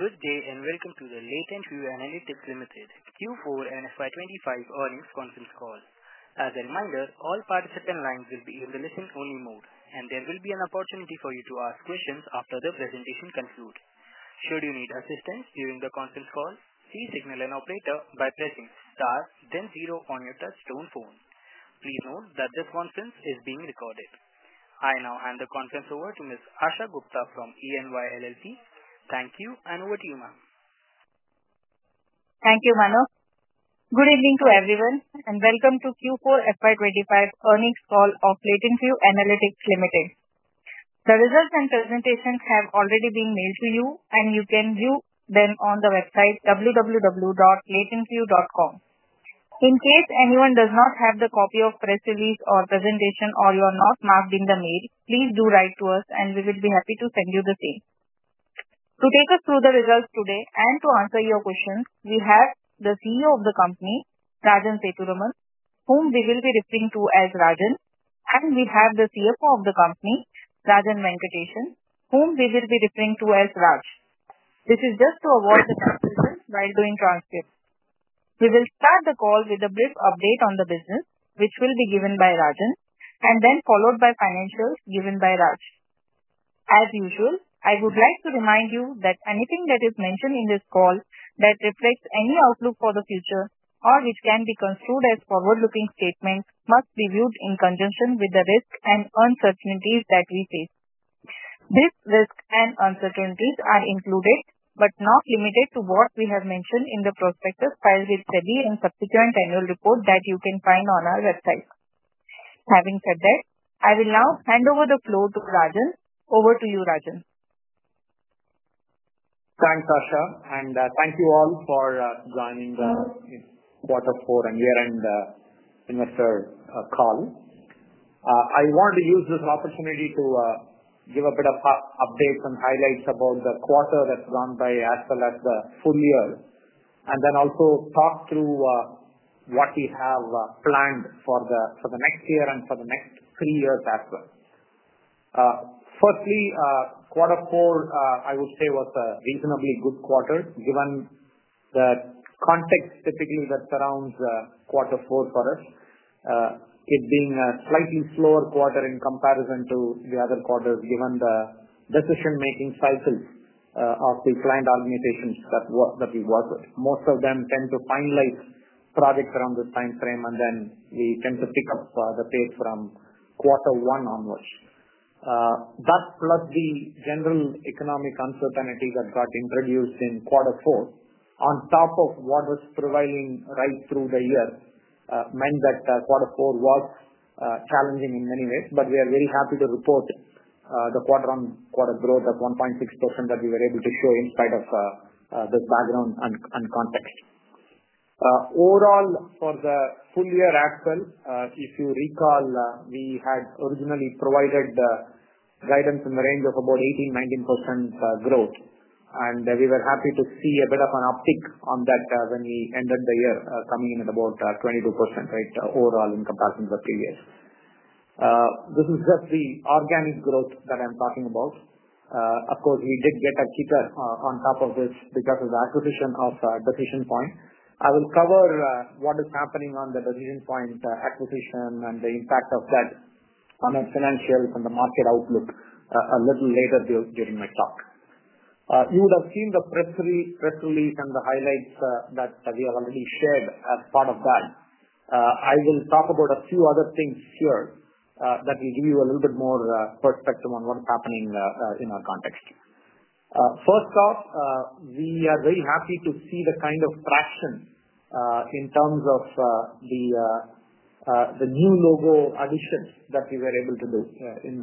Good day and welcome to the LatentView Analytics Limited Q4 and FY25 earnings conference call. As a reminder, all participant lines will be in the listen-only mode, and there will be an opportunity for you to ask questions after the presentation concludes. Should you need assistance during the conference call, please signal an operator by pressing star, then zero on your touchstone phone. Please note that this conference is being recorded. I now hand the conference over to Ms. Asha Gupta from EY LLP. Thank you, and over to you, ma'am. Thank you, Manav. Good evening to everyone, and welcome to Q4 FY2025 earnings call of LatentView Analytics Limited. The results and presentations have already been mailed to you, and you can view them on the website www.latentview.com. In case anyone does not have the copy of press release or presentation, or you are not marked in the mail, please do write to us, and we will be happy to send you the same. To take us through the results today and to answer your questions, we have the CEO of the company, Rajan Sethuraman, whom we will be referring to as Rajan, and we have the CFO of the company, Rajan Venkatesan, whom we will be referring to as Raj. This is just to avoid the confusion while doing transcripts. We will start the call with a brief update on the business, which will be given by Rajan, and then followed by financials given by Raj. As usual, I would like to remind you that anything that is mentioned in this call that reflects any outlook for the future or which can be construed as forward-looking statements must be viewed in conjunction with the risks and uncertainties that we face. These risks and uncertainties are included, but not limited to, what we have mentioned in the prospectus filed with SEBI and subsequent annual report that you can find on our website. Having said that, I will now hand over the floor to Rajan. Over to you, Rajan. Thanks, Asha, and thank you all for joining the Q4 and Year-End Investor Call. I wanted to use this opportunity to give a bit of updates and highlights about the quarter that's gone by, as well as the full year, and then also talk through what we have planned for the next year and for the next three years as well. Firstly, Q4, I would say, was a reasonably good quarter, given the context typically that surrounds Q4 for us, it being a slightly slower quarter in comparison to the other quarters, given the decision-making cycles of the client organizations that we work with. Most of them tend to finalize projects around this time frame, and then we tend to pick up the pace from Q1 onwards. That, plus the general economic uncertainty that got introduced in Q4 on top of what was prevailing right through the year, meant that Q4 was challenging in many ways, but we are very happy to report the quarter-on-quarter growth at 1.6% that we were able to show in spite of this background and context. Overall, for the full year as well, if you recall, we had originally provided guidance in the range of about 18%-19% growth, and we were happy to see a bit of an uptick on that when we ended the year coming in at about 22% overall in comparison to the previous. This is just the organic growth that I'm talking about. Of course, we did get a kicker on top of this because of the acquisition of Decision Point. I will cover what is happening on the Decision Point acquisition and the impact of that on the financials and the market outlook, a little later during my talk. You would have seen the press release and the highlights that we have already shared as part of that. I will talk about a few other things here that will give you a little bit more perspective on what's happening in our context. First off, we are very happy to see the kind of traction in terms of the new logo additions that we were able to do in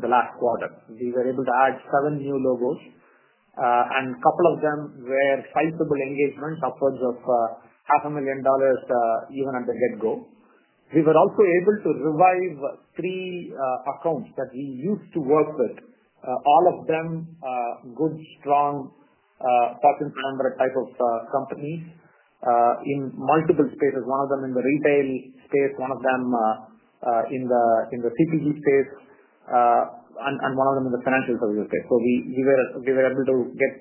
the last quarter. We were able to add seven new logos, and a couple of them were sizable engagements upwards of $500,000, even at the get-go. We were also able to revive three accounts that we used to work with, all of them good, strong, potent number type of companies in multiple spaces, one of them in the retail space, one of them in the CPG space, and one of them in the financial services space. We were able to get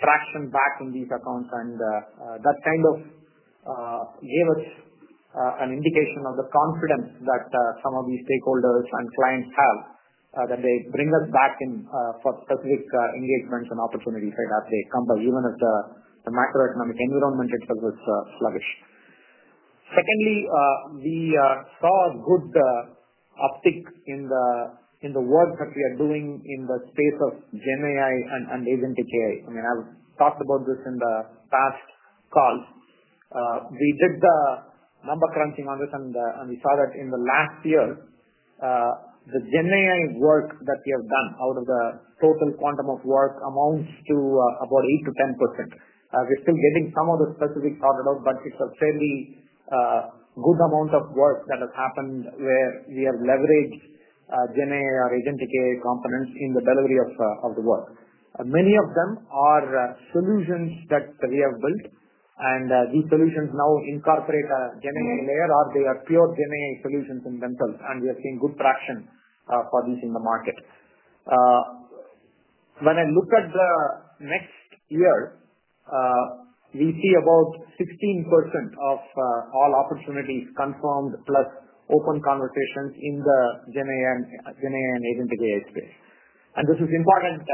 traction back in these accounts, and that kind of gave us an indication of the confidence that some of these stakeholders and clients have that they bring us back in for specific engagements and opportunities that they come by even if the macroeconomic environment itself is sluggish. Secondly, we saw a good uptick in the work that we are doing in the space of GenAI and Agentic AI. I mean, I've talked about this in the past calls. We did the number crunching on this, and we saw that in the last year, the GenAI work that we have done out of the total quantum of work amounts to about 8%-10%. We're still getting some of the specifics sorted out, but it's a fairly good amount of work that has happened where we have leveraged GenAI or Agentic AI components in the delivery of the work. Many of them are solutions that we have built, and these solutions now incorporate a GenAI layer or they are pure GenAI solutions in themselves, and we have seen good traction for these in the market. When I look at the next year, we see about 16% of all opportunities confirmed plus open conversations in the GenAI and Agentic AI space. This is important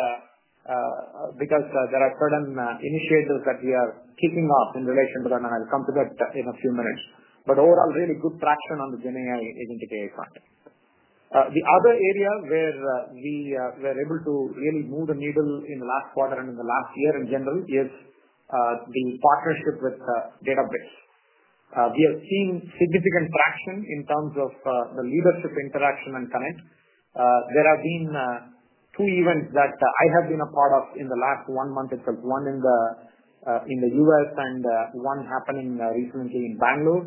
because there are certain initiatives that we are keeping up in relation to them, and I'll come to that in a few minutes. Overall, really good traction on the GenAI and Agentic AI front. The other area where we were able to really move the needle in the last quarter and in the last year in general is the partnership with Databricks. We have seen significant traction in terms of the leadership interaction and connect. There have been two events that I have been a part of in the last one month itself, one in the U.S. and one happening recently in Bangalore,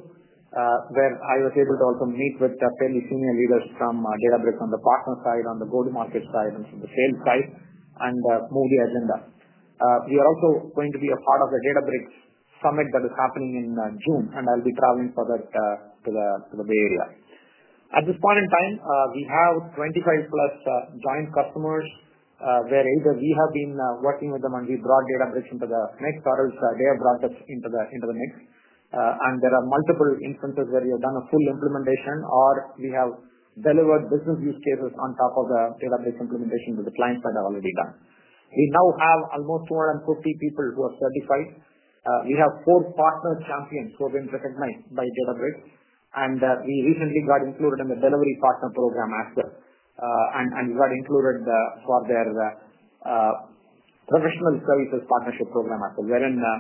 where I was able to also meet with fairly senior leaders from Databricks on the partner side, on the go-to-market side, and from the sales side, and move the agenda. We are also going to be a part of the Databricks Summit that is happening in June, and I'll be traveling for that to the Bay Area. At this point in time, we have 25-plus joint customers where either we have been working with them and we brought Databricks into the mix, or else they have brought us into the mix. There are multiple instances where we have done a full implementation, or we have delivered business use cases on top of the Databricks implementation with the clients that have already done. We now have almost 250 people who are certified. We have four partner champions who have been recognized by Databricks, and we recently got included in the delivery partner program as well, and we got included for their professional services partnership program as well. Wherein the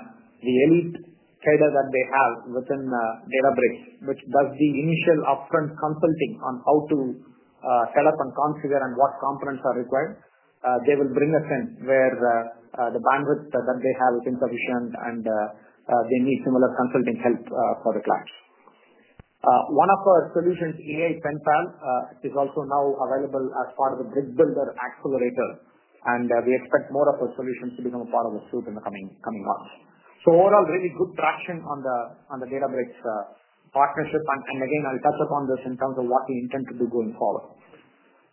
elite trader that they have within Databricks, which does the initial upfront consulting on how to set up and configure, and what components are required, they will bring us in where the bandwidth that they have is insufficient, and they need similar consulting help for the clients. One of our solutions, AI Penpal, is also now available as part of the Brickbuilder Accelerator, and we expect more of our solutions to become a part of the suite in the coming months. Overall, really good traction on the Databricks partnership, and again, I'll touch upon this in terms of what we intend to do going forward.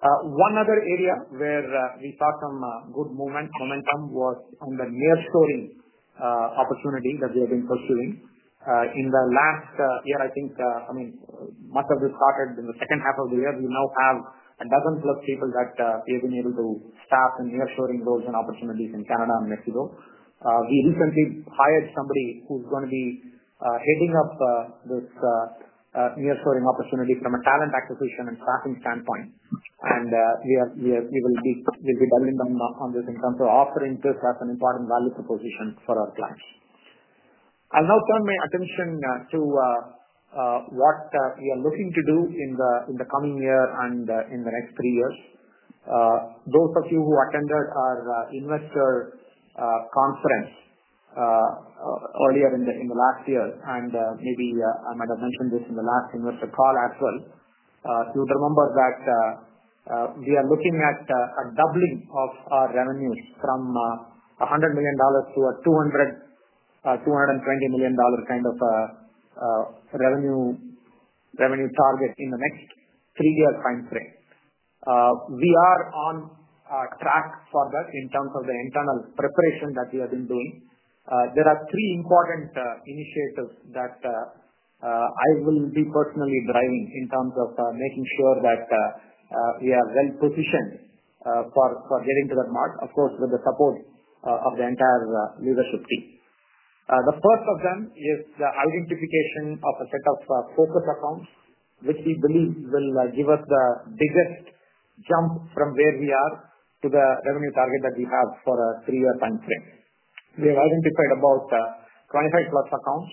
One other area where we saw some good momentum was on the nearshoring opportunity that we have been pursuing. In the last year, I think, I mean, much of this started in the second half of the year. We now have a dozen-plus people that we have been able to staff in nearshoring roles and opportunities in Canada and Mexico. We recently hired somebody who's going to be heading up this nearshoring opportunity from a talent acquisition and staffing standpoint, and we will be building on this in terms of offering this as an important value proposition for our clients. I'll now turn my attention to what we are looking to do in the coming year and in the next three years. Those of you who attended our investor conference earlier in the last year, and maybe I might have mentioned this in the last investor call as well, you would remember that we are looking at a doubling of our revenues from $100 million to a $220 million kind of revenue target in the next three-year time frame. We are on track for that in terms of the internal preparation that we have been doing. There are three important initiatives that I will be personally driving in terms of making sure that we are well-positioned for getting to that mark, of course, with the support of the entire leadership team. The first of them is the identification of a set of focus accounts, which we believe will give us the biggest jump from where we are to the revenue target that we have for a three-year time frame. We have identified about 25-plus accounts.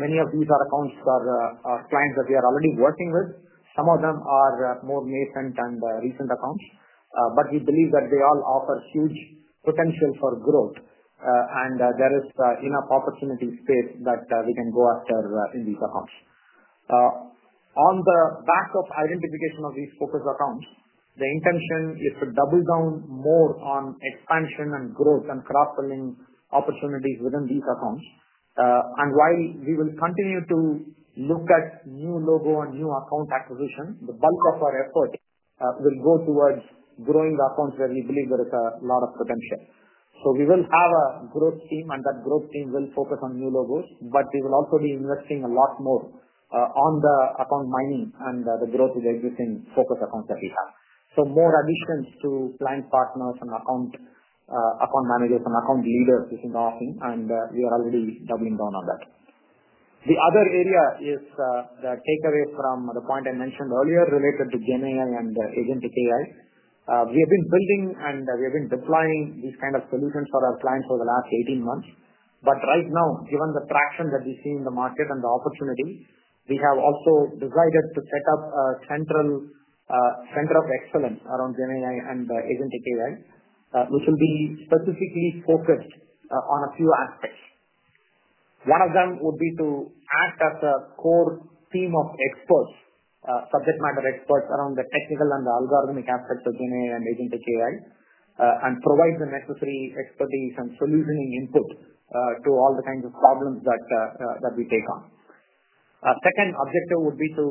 Many of these are accounts for our clients that we are already working with. Some of them are more nascent and recent accounts, but we believe that they all offer huge potential for growth, and there is enough opportunity space that we can go after in these accounts. On the back of identification of these focus accounts, the intention is to double down more on expansion and growth and cross-selling opportunities within these accounts. While we will continue to look at new logo and new account acquisition, the bulk of our effort will go towards growing accounts where we believe there is a lot of potential. We will have a growth team, and that growth team will focus on new logos, but we will also be investing a lot more on the account mining and the growth of the existing focus accounts that we have. More additions to client partners and account managers and account leaders is in the offering, and we are already doubling down on that. The other area is the takeaway from the point I mentioned earlier related to GenAI and Agentic AI. We have been building and we have been deploying these kinds of solutions for our clients for the last 18 months, but right now, given the traction that we see in the market and the opportunity, we have also decided to set up a center of excellence around GenAI and Agentic AI, which will be specifically focused on a few aspects. One of them would be to act as a core team of experts, subject matter experts around the technical and the algorithmic aspects of GenAI and Agentic AI, and provide the necessary expertise and solutioning input to all the kinds of problems that we take on. Our second objective would be to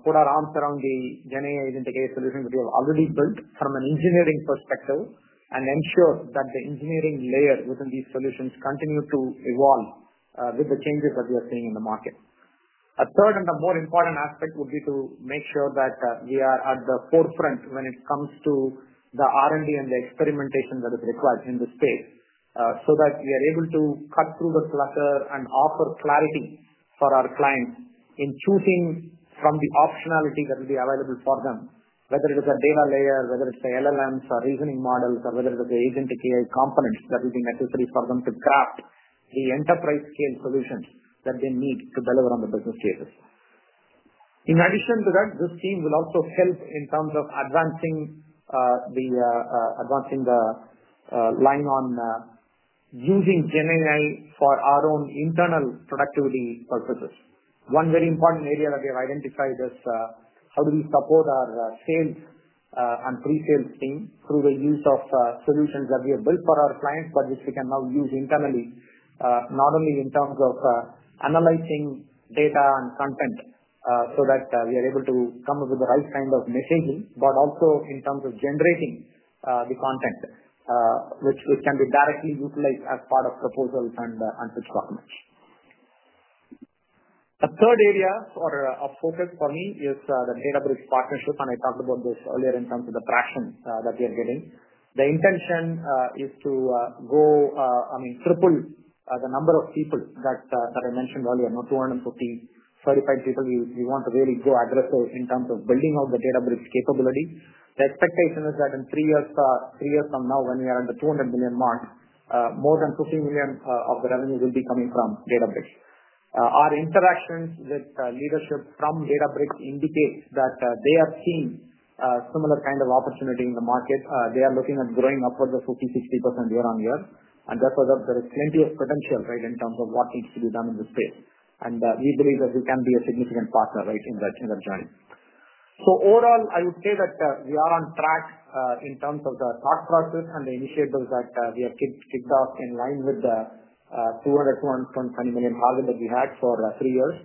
put our arms around the GenAI and Agentic AI solutions that we have already built from an engineering perspective and ensure that the engineering layer within these solutions continue to evolve with the changes that we are seeing in the market. A third and a more important aspect would be to make sure that we are at the forefront when it comes to the R&D and the experimentation that is required in the space so that we are able to cut through the clutter and offer clarity for our clients in choosing from the optionality that will be available for them, whether it is a data layer, whether it's the LLMs or reasoning models, or whether it is the Agentic AI components that will be necessary for them to craft the enterprise-scale solutions that they need to deliver on the business cases. In addition to that, this team will also help in terms of advancing the line on using GenAI for our own internal productivity purposes. One very important area that we have identified is how do we support our sales and presales team through the use of solutions that we have built for our clients, but which we can now use internally, not only in terms of analyzing data and content so that we are able to come up with the right kind of messaging, but also in terms of generating the content, which can be directly utilized as part of proposals and pitch documents. A third area of focus for me is the Databricks partnership, and I talked about this earlier in terms of the traction that we are getting. The intention is to go, I mean, triple the number of people that I mentioned earlier, 250 certified people. We want to really go aggressive in terms of building out the Databricks capability. The expectation is that in three years from now, when we are at the $200 million mark, more than $50 million of the revenue will be coming from Databricks. Our interactions with leadership from Databricks indicate that they have seen similar kinds of opportunity in the market. They are looking at growing upwards of 50%-60% year-on-year, and therefore, there is plenty of potential, right, in terms of what needs to be done in the space. We believe that we can be a significant partner, right, in that journey. Overall, I would say that we are on track in terms of the thought process and the initiatives that we have kicked off in line with the $220 million target that we had for three years.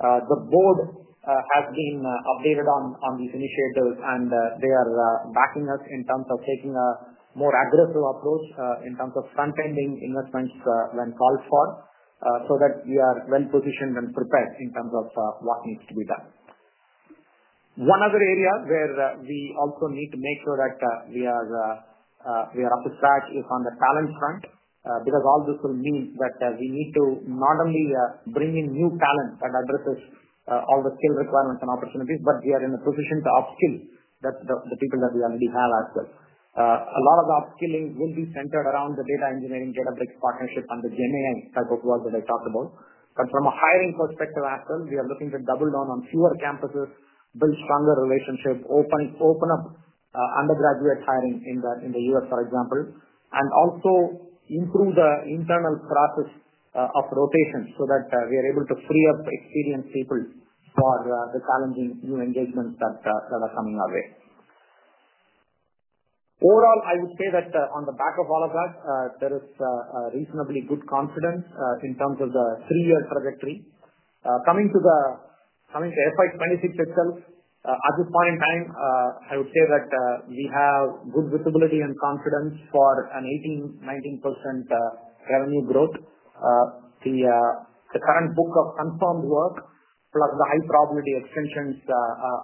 The board has been updated on these initiatives, and they are backing us in terms of taking a more aggressive approach in terms of front-ending investments when called for so that we are well-positioned and prepared in terms of what needs to be done. One other area where we also need to make sure that we are up to scratch is on the talent front, because all this will mean that we need to not only bring in new talent that addresses all the skill requirements and opportunities, but we are in a position to upskill the people that we already have as well. A lot of the upskilling will be centered around the data engineering Databricks partnership and the GenAI type of work that I talked about. From a hiring perspective as well, we are looking to double down on fewer campuses, build stronger relationships, open up undergraduate hiring in the U.S., for example, and also improve the internal process of rotations so that we are able to free up experienced people for the challenging new engagements that are coming our way. Overall, I would say that on the back of all of that, there is reasonably good confidence in terms of the three-year trajectory. Coming to FY2026 itself, at this point in time, I would say that we have good visibility and confidence for an 18%-19% revenue growth. The current book of confirmed work, plus the high probability extensions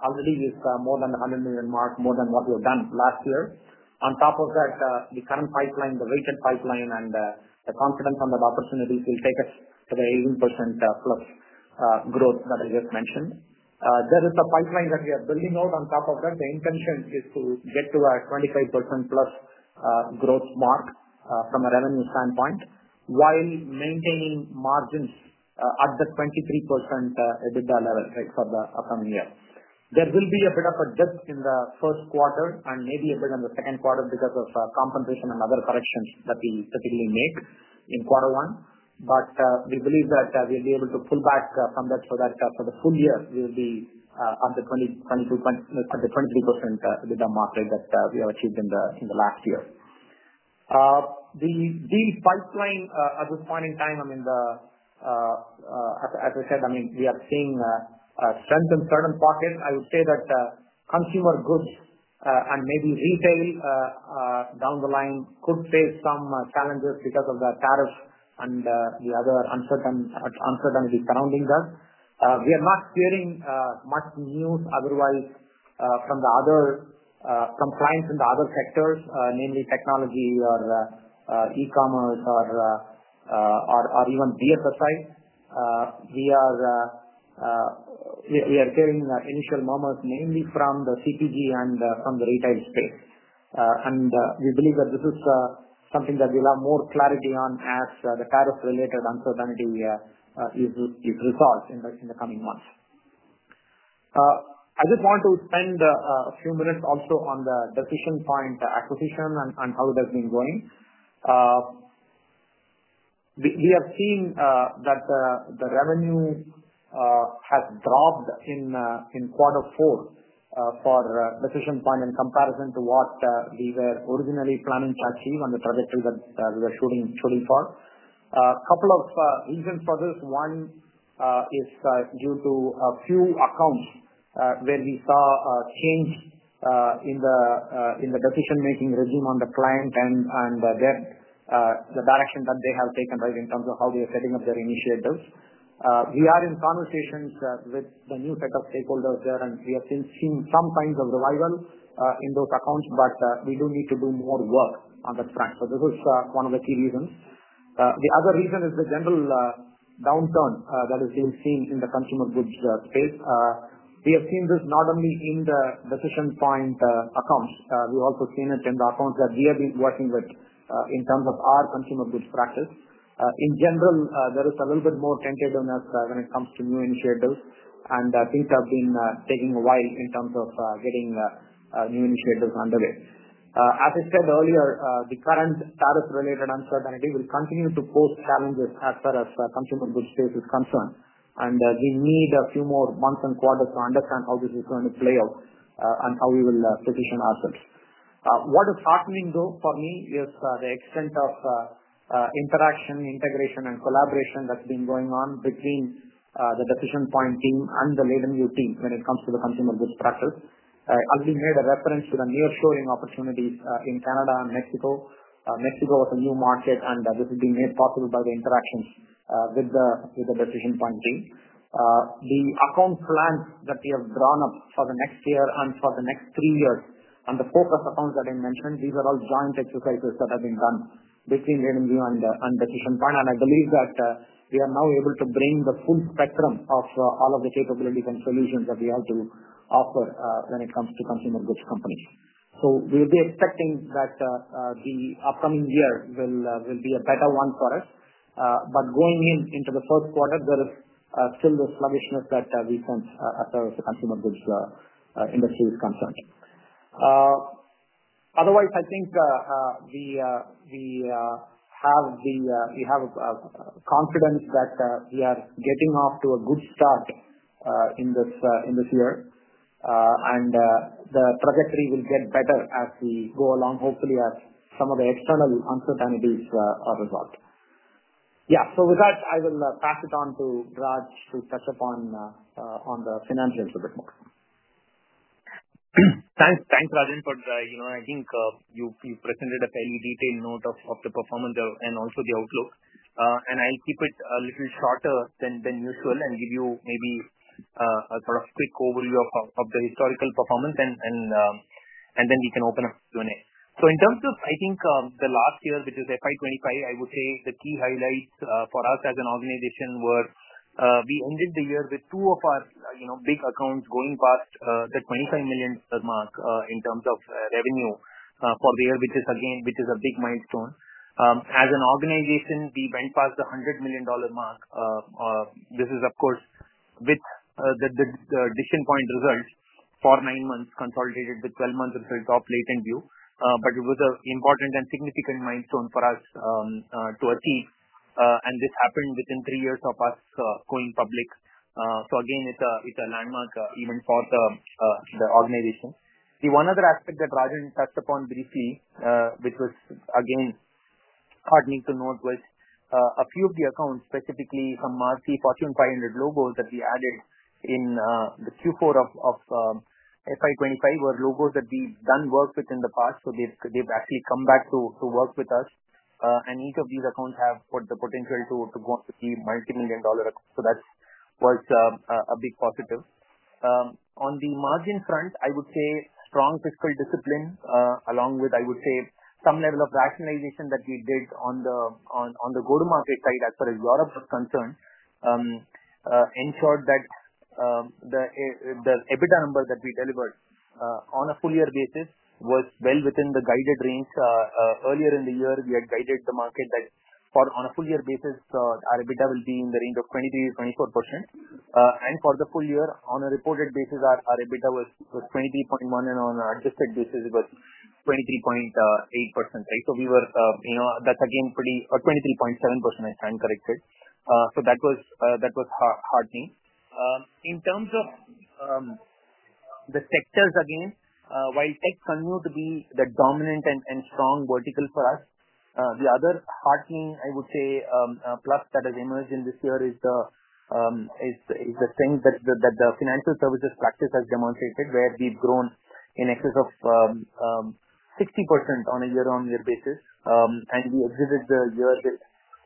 already, is more than the $100 million mark, more than what we have done last year. On top of that, the current pipeline, the rated pipeline, and the confidence on that opportunity will take us to the 18%+ growth that I just mentioned. There is a pipeline that we are building out on top of that. The intention is to get to a 25%+ growth mark from a revenue standpoint while maintaining margins at the 23% EBITDA level for the upcoming year. There will be a bit of a dip in the first quarter and maybe a bit in the Q2 because of compensation and other corrections that we typically make in Q1, but we believe that we'll be able to pull back from that so that for the full year, we will be at the 23% EBITDA mark that we have achieved in the last year. The deal pipeline at this point in time, I mean, as I said, I mean, we are seeing strength in certain pockets. I would say that consumer goods and maybe retail down the line could face some challenges because of the tariffs and the other uncertainties surrounding that. We are not hearing much news, otherwise, from the other clients in the other sectors, namely technology or e-commerce, or even BFSI. We are hearing initial murmurs, namely from the CPG and from the retail space, and we believe that this is something that we'll have more clarity on as the tariff-related uncertainty is resolved in the coming months. I just want to spend a few minutes also on the Decision Point acquisition and how it has been going. We have seen that the revenue has dropped in Q4 for Decision Point in comparison to what we were originally planning to achieve on the trajectory that we were shooting for. A couple of reasons for this. One is due to a few accounts where we saw a change in the decision-making regime on the client and the direction that they have taken, right, in terms of how they are setting up their initiatives. We are in conversations with the new set of stakeholders there, and we have been seeing some signs of revival in those accounts, but we do need to do more work on that front. This is one of the key reasons. The other reason is the general downturn that is being seen in the consumer goods space. We have seen this not only in the Decision Point accounts. We've also seen it in the accounts that we have been working with in terms of our consumer goods practice. In general, there is a little bit more tentativeness when it comes to new initiatives, and things have been taking a while in terms of getting new initiatives underway. As I said earlier, the current tariff-related uncertainty will continue to pose challenges as far as the consumer goods space is concerned, and we need a few more months and quarters to understand how this is going to play out and how we will position ourselves. What is heartening, though, for me is the extent of interaction, integration, and collaboration that's been going on between the Decision Point team and the LatentView team when it comes to the consumer goods practice. I've made a reference to the near-shoring opportunities in Canada and Mexico. Mexico was a new market, and this has been made possible by the interactions with the Decision Point team. The account plans that we have drawn up for the next year and for the next three years and the focus accounts that I mentioned, these are all joint exercises that have been done between LatentView and Decision Point, and I believe that we are now able to bring the full spectrum of all of the capabilities and solutions that we have to offer when it comes to consumer goods companies. We will be expecting that the upcoming year will be a better one for us, but going into the Q1, there is still the sluggishness that we sense as far as the consumer goods industry is concerned. Otherwise, I think we have the confidence that we are getting off to a good start in this year, and the trajectory will get better as we go along, hopefully, as some of the external uncertainties are resolved. Yeah. With that, I will pass it on to Raj to touch upon the financials a bit more. Thanks, Rajan, for the—I think you presented a fairly detailed note of the performance and also the outlook, and I'll keep it a little shorter than usual and give you maybe a sort of quick overview of the historical performance, and then we can open up Q&A. In terms of, I think, the last year, which is FY2025, I would say the key highlights for us as an organization were we ended the year with two of our big accounts going past the $25 million mark in terms of revenue for the year, which is, again, a big milestone. As an organization, we went past the $100 million mark. This is, of course, with the Decision Point result for nine months consolidated with 12-month results of LatenView, but it was an important and significant milestone for us to achieve, and this happened within three years of us going public. Again, it is a landmark event for the organization. The one other aspect that Rajan touched upon briefly, which was, again, heartening to note, was a few of the accounts, specifically some marquee Fortune 500 logos that we added in the Q4 of FY2025, were logos that we've done work with in the past, so they've actually come back to work with us, and each of these accounts have the potential to go on to be multi-million dollar accounts. That was a big positive. On the margin front, I would say strong fiscal discipline, along with, I would say, some level of rationalization that we did on the go-to-market side as far as Europe was concerned, ensured that the EBITDA number that we delivered on a full-year basis was well within the guided range. Earlier in the year, we had guided the market that on a full-year basis, our EBITDA will be in the range of 23%-24%, and for the full year, on a reported basis, our EBITDA was 23.1%, and on an adjusted basis, it was 23.8%, right? That's again pretty—or 23.7%, I'm trying to correct it. That was heartening. In terms of the sectors, again, while tech continued to be the dominant and strong vertical for us, the other heartening, I would say, plus that has emerged in this year is the strength that the financial services practice has demonstrated, where we've grown in excess of 60% on a year-on-year basis, and we exited the year with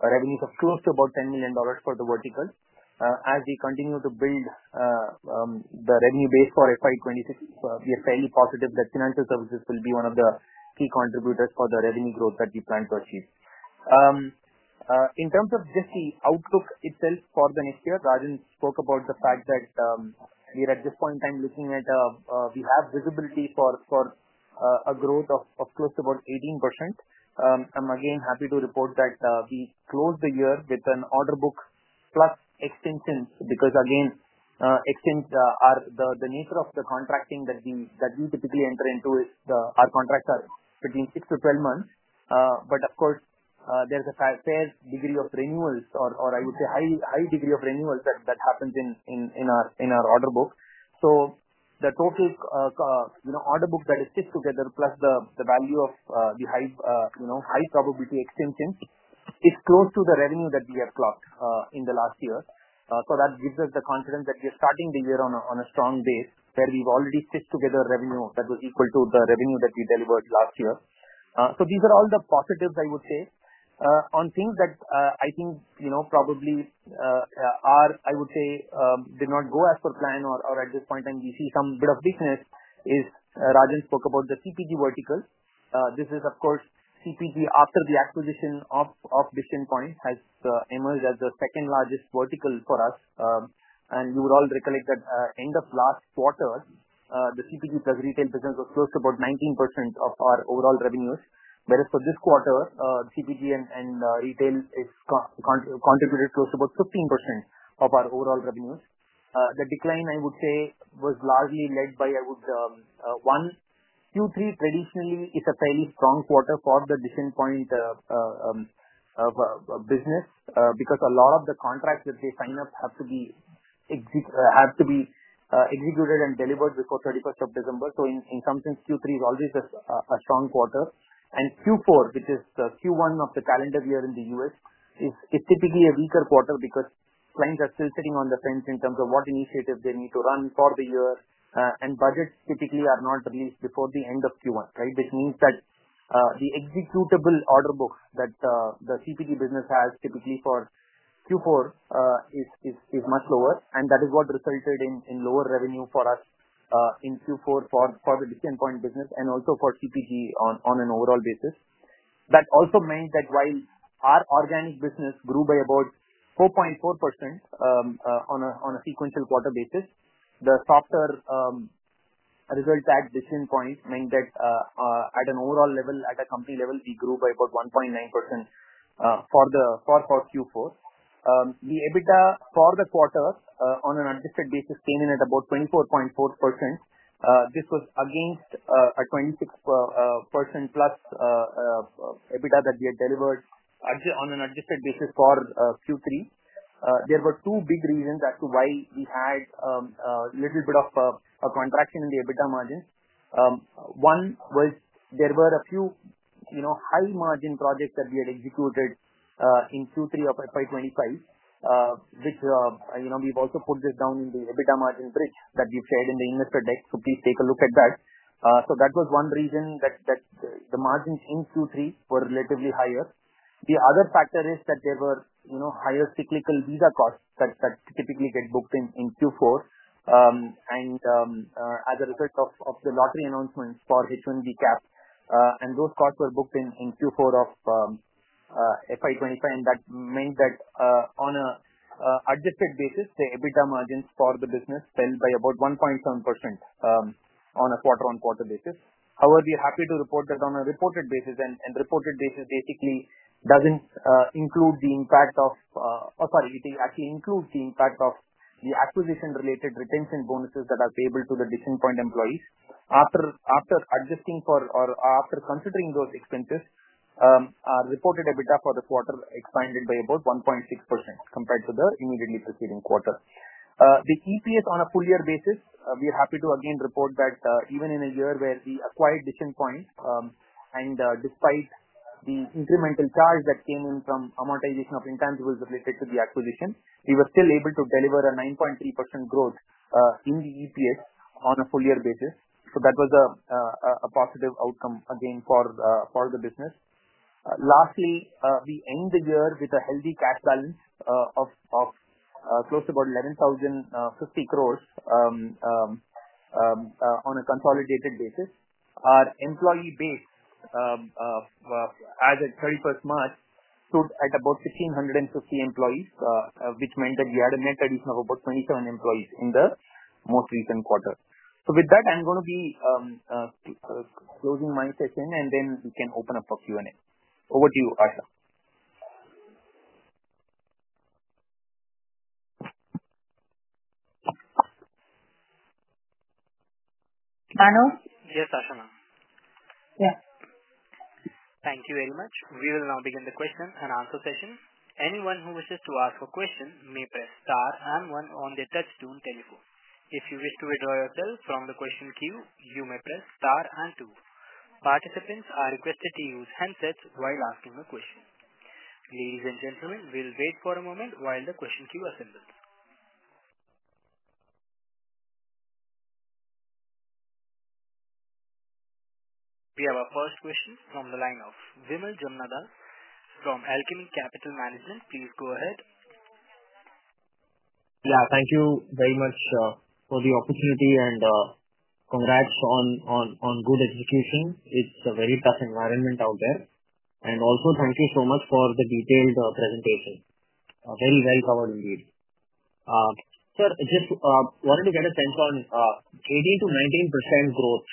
revenues of close to about $10 million for the vertical. As we continue to build the revenue base for FY2026, we are fairly positive that financial services will be one of the key contributors for the revenue growth that we plan to achieve. In terms of just the outlook itself for the next year, Rajan spoke about the fact that we are, at this point in time, looking at—we have visibility for a growth of close to about 18%. I'm again happy to report that we closed the year with an order book plus extensions because, again, the nature of the contracting that we typically enter into is our contracts are between 6-12 months, but of course, there's a fair degree of renewals, or I would say high degree of renewals that happens in our order book. The total order book that is put together, plus the value of the high-probability extensions, is close to the revenue that we have clocked in the last year. That gives us the confidence that we are starting the year on a strong base, where we've already stitched together revenue that was equal to the revenue that we delivered last year. These are all the positives, I would say. On things that I think probably are, I would say, did not go as per plan, or at this point in time, we see some bit of weakness, is Rajan spoke about the CPG vertical. This is, of course, CPG after the acquisition of Decision Point has emerged as the second-largest vertical for us, and you would all recollect that end of last quarter, the CPG plus retail business was close to about 19% of our overall revenues, whereas for this quarter, CPG and retail contributed close to about 15% of our overall revenues. The decline, I would say, was largely led by, I would, one, two, three. Traditionally, it's a fairly strong quarter for the Decision Point business because a lot of the contracts that they sign up have to be executed and delivered before 31st of December. In some sense, Q3 is always a strong quarter, and Q4, which is Q1 of the calendar year in the U.S., is typically a weaker quarter because clients are still sitting on the fence in terms of what initiatives they need to run for the year, and budgets typically are not released before the end of Q1, right, which means that the executable order book that the CPG business has typically for Q4 is much lower, and that is what resulted in lower revenue for us in Q4 for the Decision Point business and also for CPG on an overall basis. That also meant that while our organic business grew by about 4.4% on a sequential quarter basis, the softer result at Decision Point meant that at an overall level, at a company level, we grew by about 1.9% for Q4. The EBITDA for the quarter on an adjusted basis came in at about 24.4%. This was against a 26%-plus EBITDA that we had delivered on an adjusted basis for Q3. There were two big reasons as to why we had a little bit of a contraction in the EBITDA margins. One was there were a few high-margin projects that we had executed in Q3 of FY2025, which we've also put this down in the EBITDA margin bridge that we've shared in the investor deck, so please take a look at that. That was one reason that the margins in Q3 were relatively higher. The other factor is that there were higher cyclical visa costs that typically get booked in Q4, and as a result of the lottery announcements for H1B cap, and those costs were booked in Q4 of 2025, and that meant that on an adjusted basis, the EBITDA margins for the business fell by about 1.7% on a quarter-on-quarter basis. However, we are happy to report that on a reported basis, and reported basis basically does not include the impact of—sorry, it actually includes the impact of the acquisition-related retention bonuses that are payable to the Decision Point employees. After adjusting for or after considering those expenses, our reported EBITDA for the quarter expanded by about 1.6% compared to the immediately preceding quarter. The EPS on a full-year basis, we are happy to again report that even in a year where we acquired Decision Point, and despite the incremental charge that came in from amortization of intangibles related to the acquisition, we were still able to deliver a 9.3% growth in the EPS on a full-year basis. That was a positive outcome again for the business. Lastly, we end the year with a healthy cash balance of close to about 11,050 crore on a consolidated basis. Our employee base as of 31st March stood at about 1,550 employees, which meant that we had a net addition of about 27 employees in the most recent quarter. With that, I'm going to be closing my session, and then we can open up for Q&A. Over to you, Asha. Manav? Yes, Asha. Yeah. Thank you very much. We will now begin the question-and-answer session. Anyone who wishes to ask a question may press star and one on the touchstone telephone. If you wish to withdraw yourself from the question queue, you may press star and two. Participants are requested to use handsets while asking a question. Ladies and gentlemen, we'll wait for a moment while the question queue assembles. We have our first question from the line of Vimal Jamnadas from Alchemy Capital Management. Please go ahead. Yeah. Thank you very much for the opportunity, and congrats on good execution. It's a very tough environment out there. Also, thank you so much for the detailed presentation. Very well covered, indeed. Sir, just wanted to get a sense on 18%-19% growth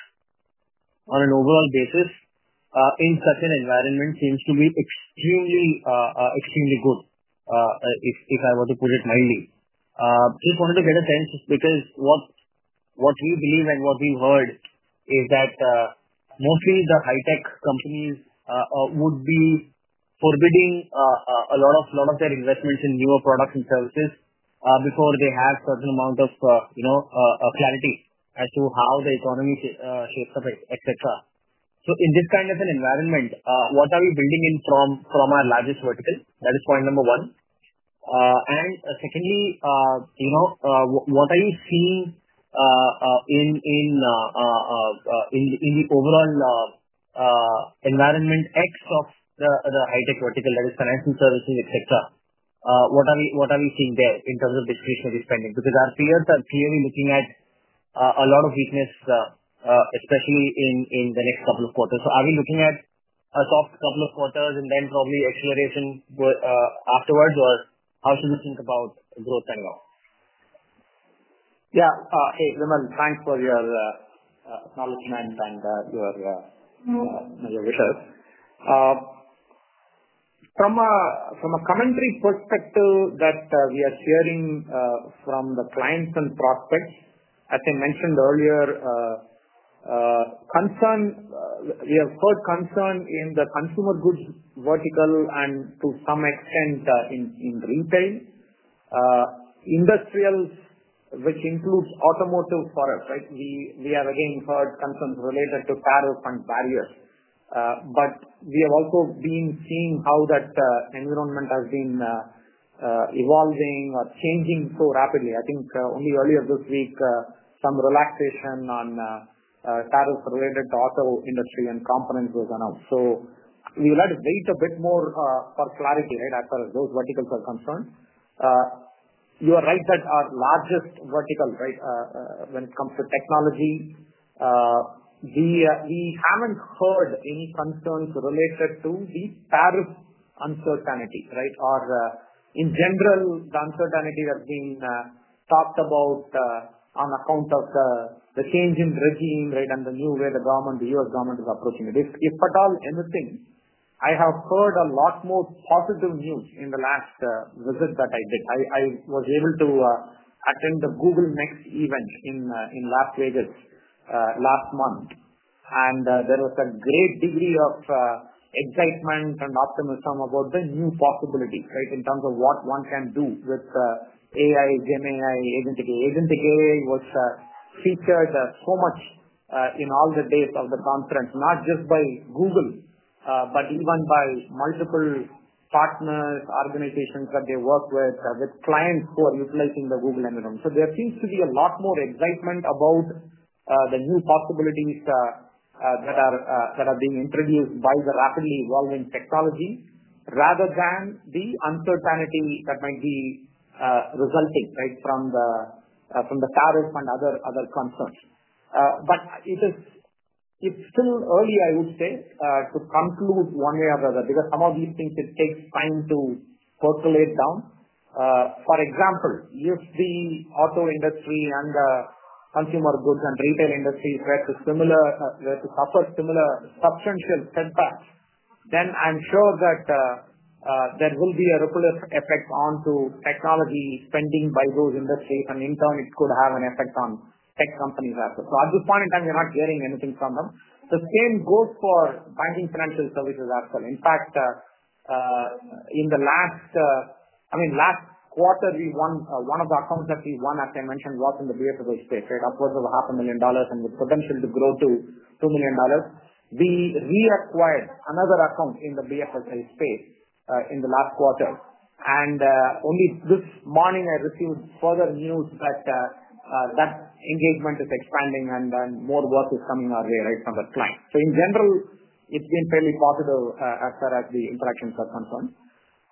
on an overall basis in such an environment seems to be extremely good, if I were to put it mildly. Just wanted to get a sense because what we believe and what we've heard is that mostly the high-tech companies would be forbidding a lot of their investments in newer products and services before they have a certain amount of clarity as to how the economy shapes up, etc. In this kind of an environment, what are we building in from our largest vertical? That is point number one. Secondly, what are you seeing in the overall environment X of the high-tech vertical, that is financial services, etc.? What are we seeing there in terms of discretionary spending? Our peers are clearly looking at a lot of weakness, especially in the next couple of quarters. Are we looking at a soft couple of quarters and then probably acceleration afterwards, or how should we think about growth anyhow? Yeah. Hey, Vimal, thanks for your acknowledgment and your wishes. From a commentary perspective, that we are hearing from the clients and prospects, as I mentioned earlier, we have heard concern in the consumer goods vertical and to some extent in retail, industrials, which includes automotive products, right? We have again heard concerns related to tariff and barriers, but we have also been seeing how that environment has been evolving or changing so rapidly. I think only earlier this week, some relaxation on tariffs related to auto industry and components was announced. We will have to wait a bit more for clarity, right, as far as those verticals are concerned. You are right that our largest vertical, right, when it comes to technology, we have not heard any concerns related to the tariff uncertainty, right, or in general, the uncertainty that is being talked about on account of the change in regime, right, and the new way the U.S. government is approaching it. If at all, anything, I have heard a lot more positive news in the last visit that I did. I was able to attend the Google next event in Las Vegas last month, and there was a great degree of excitement and optimism about the new possibilities, right, in terms of what one can do with AI, GenAI, Agentic AI. Agentic AI was featured so much in all the days of the conference, not just by Google, but even by multiple partners, organizations that they work with, with clients who are utilizing the Google environment. There seems to be a lot more excitement about the new possibilities that are being introduced by the rapidly evolving technology rather than the uncertainty that might be resulting, right, from the tariff and other concerns. It is still early, I would say, to conclude one way or the other because some of these things it takes time to percolate down. For example, if the auto industry and the consumer goods and retail industry were to suffer similar substantial setbacks, then I am sure that there will be a ripple effect onto technology spending by those industries, and in turn, it could have an effect on tech companies as well. At this point in time, we are not hearing anything from them. The same goes for banking financial services as well. In fact, in the last, I mean, last quarter, one of the accounts that we won, as I mentioned, was in the BFSI space, right, upwards of $500,000, and with potential to grow to $2 million. We reacquired another account in the BFSI space in the last quarter, and only this morning, I received further news that that engagement is expanding and more work is coming our way, right from the client. In general, it's been fairly positive as far as the interactions are concerned.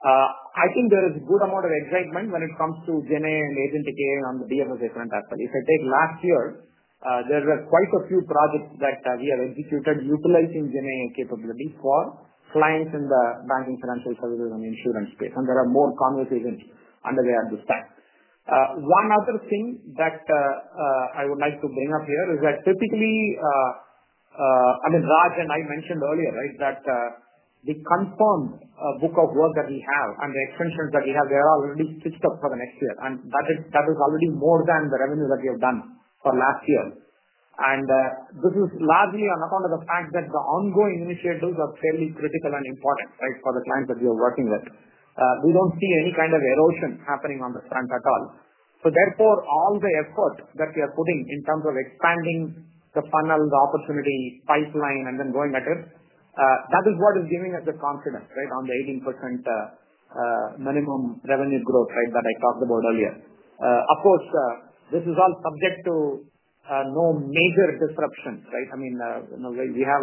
I think there is a good amount of excitement when it comes to GenAI and Agentic AI on the BFSI front as well. If I take last year, there were quite a few projects that we have executed utilizing GenAI capabilities for clients in the banking, financial services, and insurance space, and there are more conversations underway at this time. One other thing that I would like to bring up here is that typically, I mean, Raj and I mentioned earlier, right, that the confirmed book of work that we have and the extensions that we have, they are already stitched up for the next year, and that is already more than the revenue that we have done for last year. This is largely on account of the fact that the ongoing initiatives are fairly critical and important, right, for the clients that we are working with. We do not see any kind of erosion happening on the front at all. Therefore, all the effort that we are putting in terms of expanding the funnel, the opportunity pipeline, and then going at it, that is what is giving us the confidence, right, on the 18% minimum revenue growth, right, that I talked about earlier. Of course, this is all subject to no major disruption, right? I mean, we have,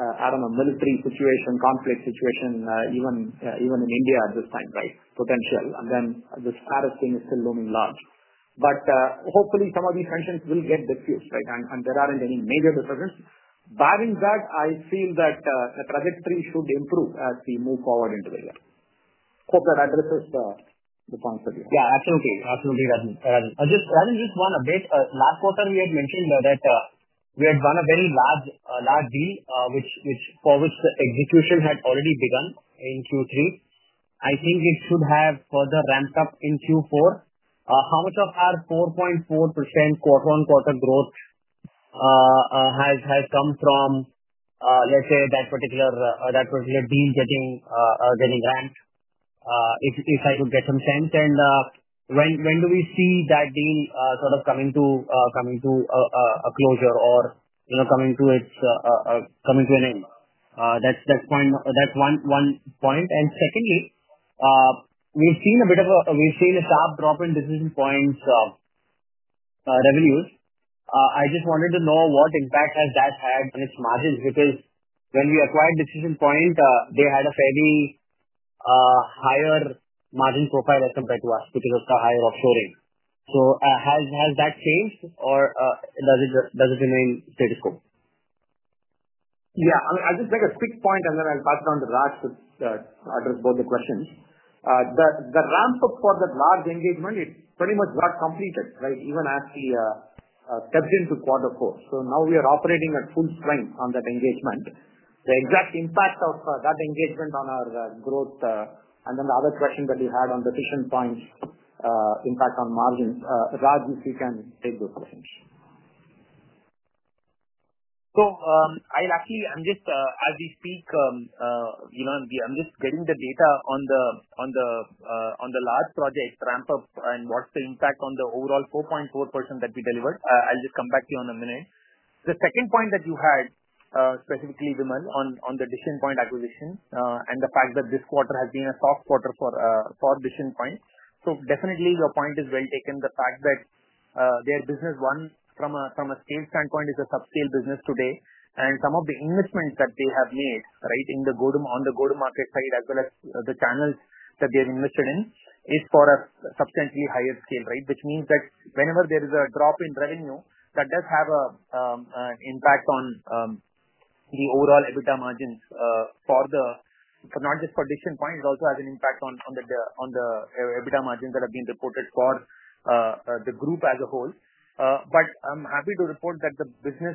I don't know, military situation, conflict situation, even in India at this time, right, potential, and then this tariff thing is still looming large. Hopefully, some of these tensions will get diffused, right, and there aren't any major disruptions. Barring that, I feel that the trajectory should improve as we move forward into the year. Hope that addresses the points that you have. Yeah. Absolutely. Absolutely, Rajan. Rajan, just one update. Last quarter, we had mentioned that we had done a very large deal for which the execution had already begun in Q3. I think it should have further ramped up in Q4. How much of our 4.4% quarter-on-quarter growth has come from, let's say, that particular deal getting ramped, if I could get some sense? When do we see that deal sort of coming to a closure or coming to an end? That is one point. Secondly, we have seen a sharp drop in Decision Point's revenues. I just wanted to know what impact that has had on its margins because when we acquired Decision Point, they had a fairly higher margin profile as compared to us because of the higher offshoring. Has that changed, or does it remain status quo? Yeah. I mean, I will just make a quick point, and then I will pass it on to Raj to address both the questions. The ramp-up for that large engagement pretty much got completed, right, even as we stepped into Q4. Now we are operating at full strength on that engagement. The exact impact of that engagement on our growth, and then the other question that you had on Decision Point's impact on margins, Raj, if you can take those questions. I'm just, as we speak, getting the data on the large project ramp-up, and what's the impact on the overall 4.4% that we delivered? I'll just come back to you in a minute. The second point that you had, specifically, Vimal, on the Decision Point acquisition and the fact that this quarter has been a soft quarter for Decision Point. Definitely, your point is well taken. The fact that their business, one, from a scale standpoint, is a subscale business today, and some of the investments that they have made, right, on the go-to-market side as well as the channels that they have invested in is for a substantially higher scale, right, which means that whenever there is a drop in revenue, that does have an impact on the overall EBITDA margins for not just for Decision Point. It also has an impact on the EBITDA margins that have been reported for the group as a whole. I am happy to report that the business,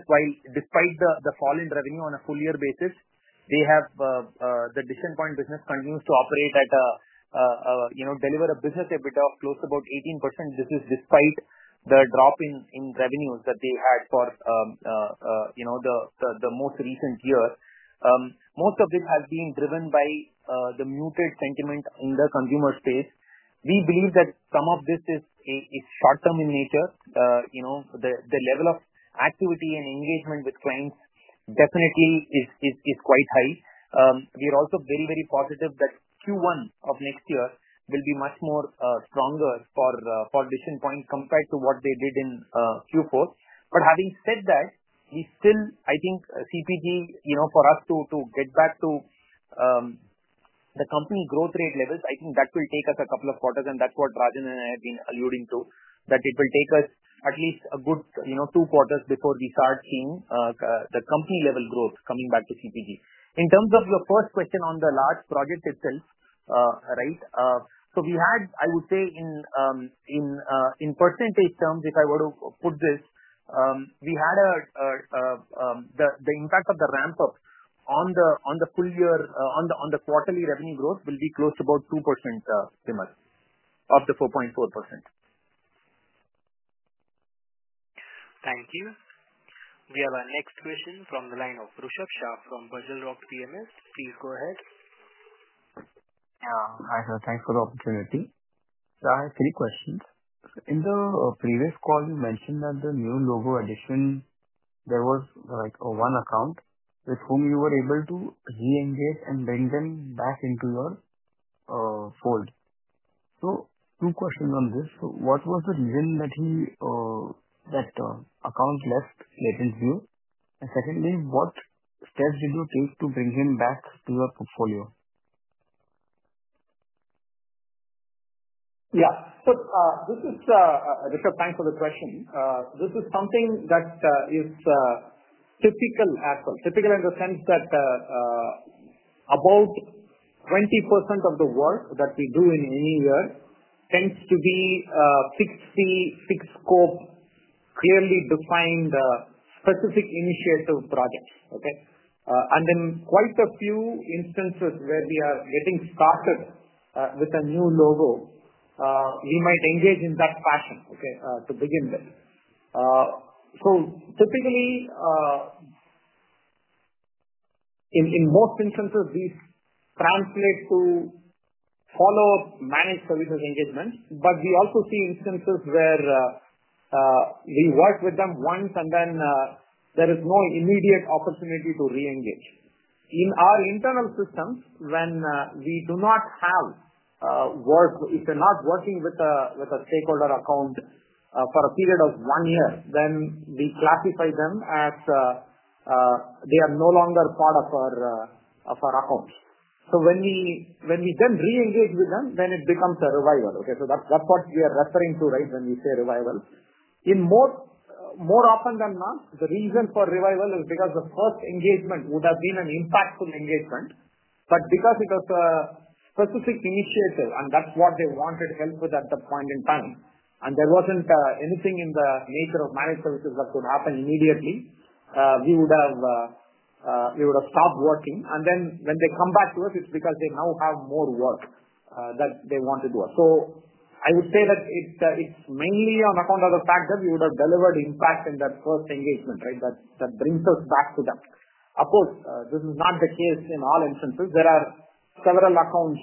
despite the fall in revenue on a full-year basis, they have—the Decision Point business continues to operate at a deliver a business EBITDA of close to about 18%. This is despite the drop in revenues that they had for the most recent year. Most of it has been driven by the muted sentiment in the consumer space. We believe that some of this is short-term in nature. The level of activity and engagement with clients definitely is quite high. We are also very, very positive that Q1 of next year will be much more stronger for Decision Point compared to what they did in Q4. Having said that, we still, I think, CPG, for us to get back to the company growth rate levels, I think that will take us a couple of quarters, and that's what Rajan and I have been alluding to, that it will take us at least a good two quarters before we start seeing the company-level growth coming back to CPG. In terms of your first question on the large project itself, right, we had, I would say, in percentage terms, if I were to put this, we had the impact of the ramp-up on the full-year, on the quarterly revenue growth will be close to about 2%, Vimal, of the 4.4%. Thank you. We have our next question from the line of Rushabh Shah from BugleRock PMS. Please go ahead. Yeah. Hi, sir. Thanks for the opportunity. I have three questions. In the previous call, you mentioned that the new logo addition, there was one account with whom you were able to re-engage and bring them back into your fold. Two questions on this. What was the reason that the account left LatentView? Secondly, what steps did you take to bring him back to your portfolio? Yeah. This is Rushabh. Thanks for the question. This is something that is typical as well. Typical in the sense that about 20% of the work that we do in any year tends to be fixed scope, clearly defined, specific initiative projects, okay? Quite a few instances where we are getting started with a new logo, we might engage in that fashion, okay, to begin with. Typically, in most instances, we translate to follow-up managed services engagement, but we also see instances where we work with them once, and then there is no immediate opportunity to re-engage. In our internal systems, when we do not have work, if we're not working with a stakeholder account for a period of one year, then we classify them as they are no longer part of our accounts. When we then re-engage with them, then it becomes a revival, okay? That's what we are referring to, right, when we say revival. More often than not, the reason for revival is because the first engagement would have been an impactful engagement, but because it was a specific initiative, and that's what they wanted help with at that point in time, and there wasn't anything in the nature of managed services that could happen immediately, we would have stopped working. When they come back to us, it's because they now have more work that they want to do. I would say that it's mainly on account of the fact that we would have delivered impact in that first engagement, right, that brings us back to them. Of course, this is not the case in all instances. There are several accounts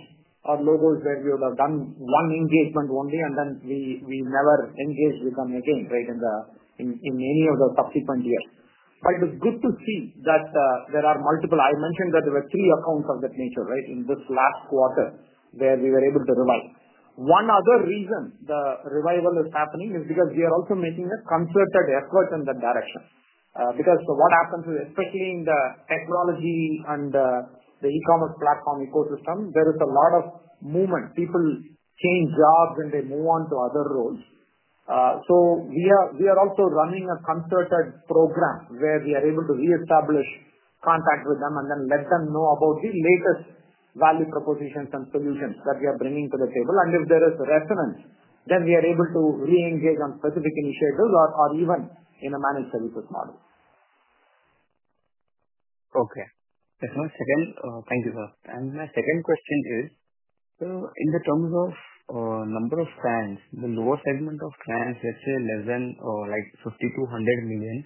or logos where we would have done one engagement only, and then we never engaged with them again, right, in any of the subsequent years. It is good to see that there are multiple—I mentioned that there were three accounts of that nature, right, in this last quarter where we were able to revive. One other reason the revival is happening is because we are also making a concerted effort in that direction. What happens is, especially in the technology and the e-commerce platform ecosystem, there is a lot of movement. People change jobs, and they move on to other roles. We are also running a concerted program where we are able to reestablish contact with them and then let them know about the latest value propositions and solutions that we are bringing to the table. If there is resonance, then we are able to re-engage on specific initiatives or even in a managed services model. Okay. That's my second—thank you, sir. My second question is, in terms of number of clients, the lower segment of clients, let's say less than $50 million to $100 million,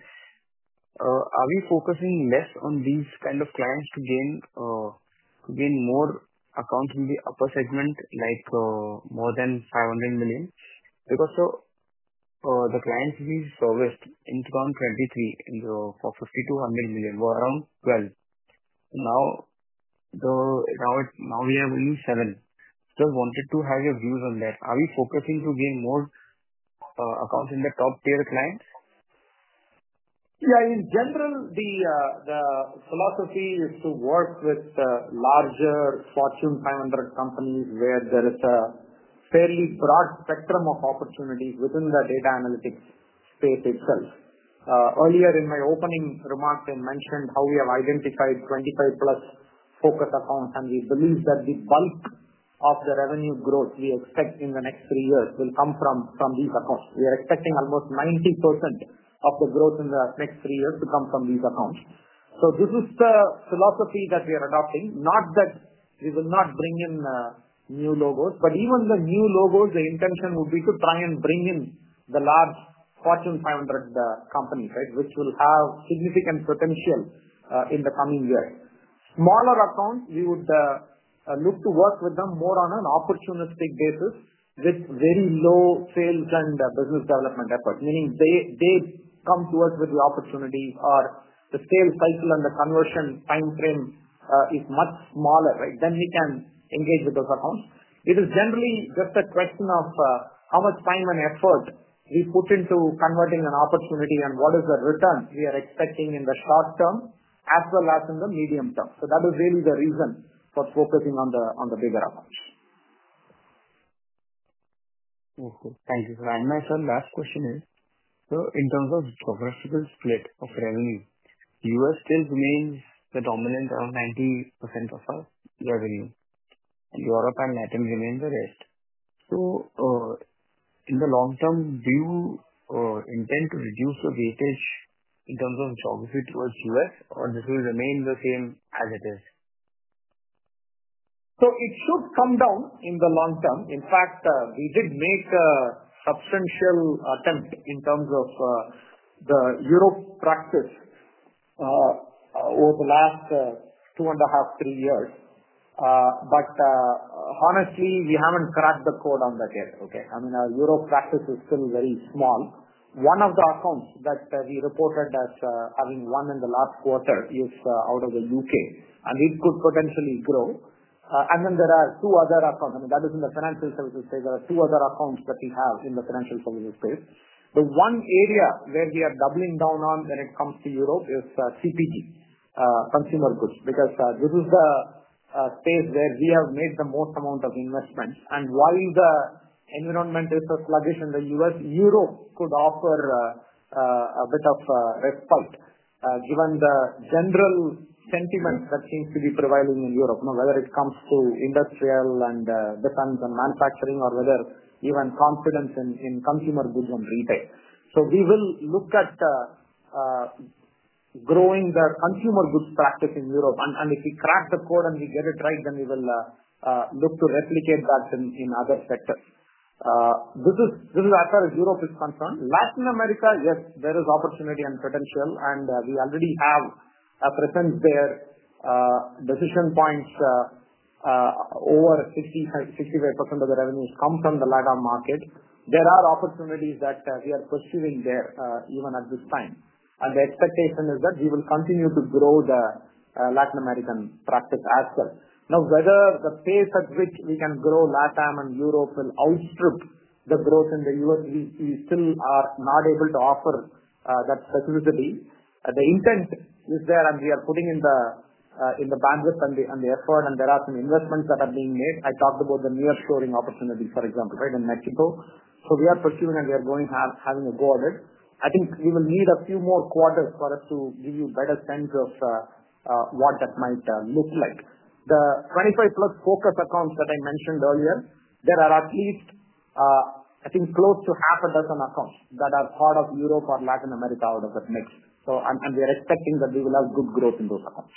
are we focusing less on these kind of clients to gain more accounts in the upper segment, like more than $500 million? Because the clients we serviced in 2023 for $50 million to $100 million were around 12. Now we have only 7. Just wanted to have your views on that. Are we focusing to gain more accounts in the top-tier clients? Yeah. In general, the philosophy is to work with larger Fortune 500 companies where there is a fairly broad spectrum of opportunities within the data analytics space itself. Earlier, in my opening remarks, I mentioned how we have identified 25-plus focus accounts, and we believe that the bulk of the revenue growth we expect in the next three years will come from these accounts. We are expecting almost 90% of the growth in the next three years to come from these accounts. This is the philosophy that we are adopting, not that we will not bring in new logos, but even the new logos, the intention would be to try and bring in the large Fortune 500 companies, right, which will have significant potential in the coming year. Smaller accounts, we would look to work with them more on an opportunistic basis with very low sales and business development effort, meaning they come to us with the opportunity or the sales cycle and the conversion timeframe is much smaller, right? We can engage with those accounts. It is generally just a question of how much time and effort we put into converting an opportunity and what is the return we are expecting in the short term as well as in the medium term. That is really the reason for focusing on the bigger accounts. Thank you. I'll myself, last question is, in terms of geographical split of revenue, U.S. still remains the dominant around 90% of our revenue, and Europe and Latin remain the rest. In the long term, do you intend to reduce the weightage in terms of geography towards U.S., or will this remain the same as it is? It should come down in the long term. In fact, we did make a substantial attempt in terms of the Europe practice over the last two and a half, three years. Honestly, we haven't cracked the code on that yet, okay? I mean, our Europe practice is still very small. One of the accounts that we reported as having won in the last quarter is out of the U.K., and it could potentially grow. I mean, that is in the financial services space. There are two other accounts that we have in the financial services space. The one area where we are doubling down on when it comes to Europe is CPG, consumer goods, because this is the space where we have made the most amount of investments. While the environment is sluggish in the U.S., Europe could offer a bit of respite given the general sentiment that seems to be prevailing in Europe, whether it comes to industrial and defense and manufacturing or even confidence in consumer goods and retail. We will look at growing the consumer goods practice in Europe. If we crack the code and we get it right, then we will look to replicate that in other sectors. This is as far as Europe is concerned. Latin America, yes, there is opportunity and potential, and we already have a presence there. Decision Point's over 65% of the revenues come from the LATAM market. There are opportunities that we are pursuing there even at this time. The expectation is that we will continue to grow the Latin American practice as well. Now, whether the pace at which we can grow Latin America and Europe will outstrip the growth in the U.S., we still are not able to offer that specificity. The intent is there, and we are putting in the bandwidth and the effort, and there are some investments that are being made. I talked about the nearshoring opportunity, for example, right, in Mexico. We are pursuing, and we are going, having a go at it. I think we will need a few more quarters for us to give you a better sense of what that might look like. The 25-plus focus accounts that I mentioned earlier, there are at least, I think, close to half a dozen accounts that are part of Europe or Latin America out of that mix. We are expecting that we will have good growth in those accounts.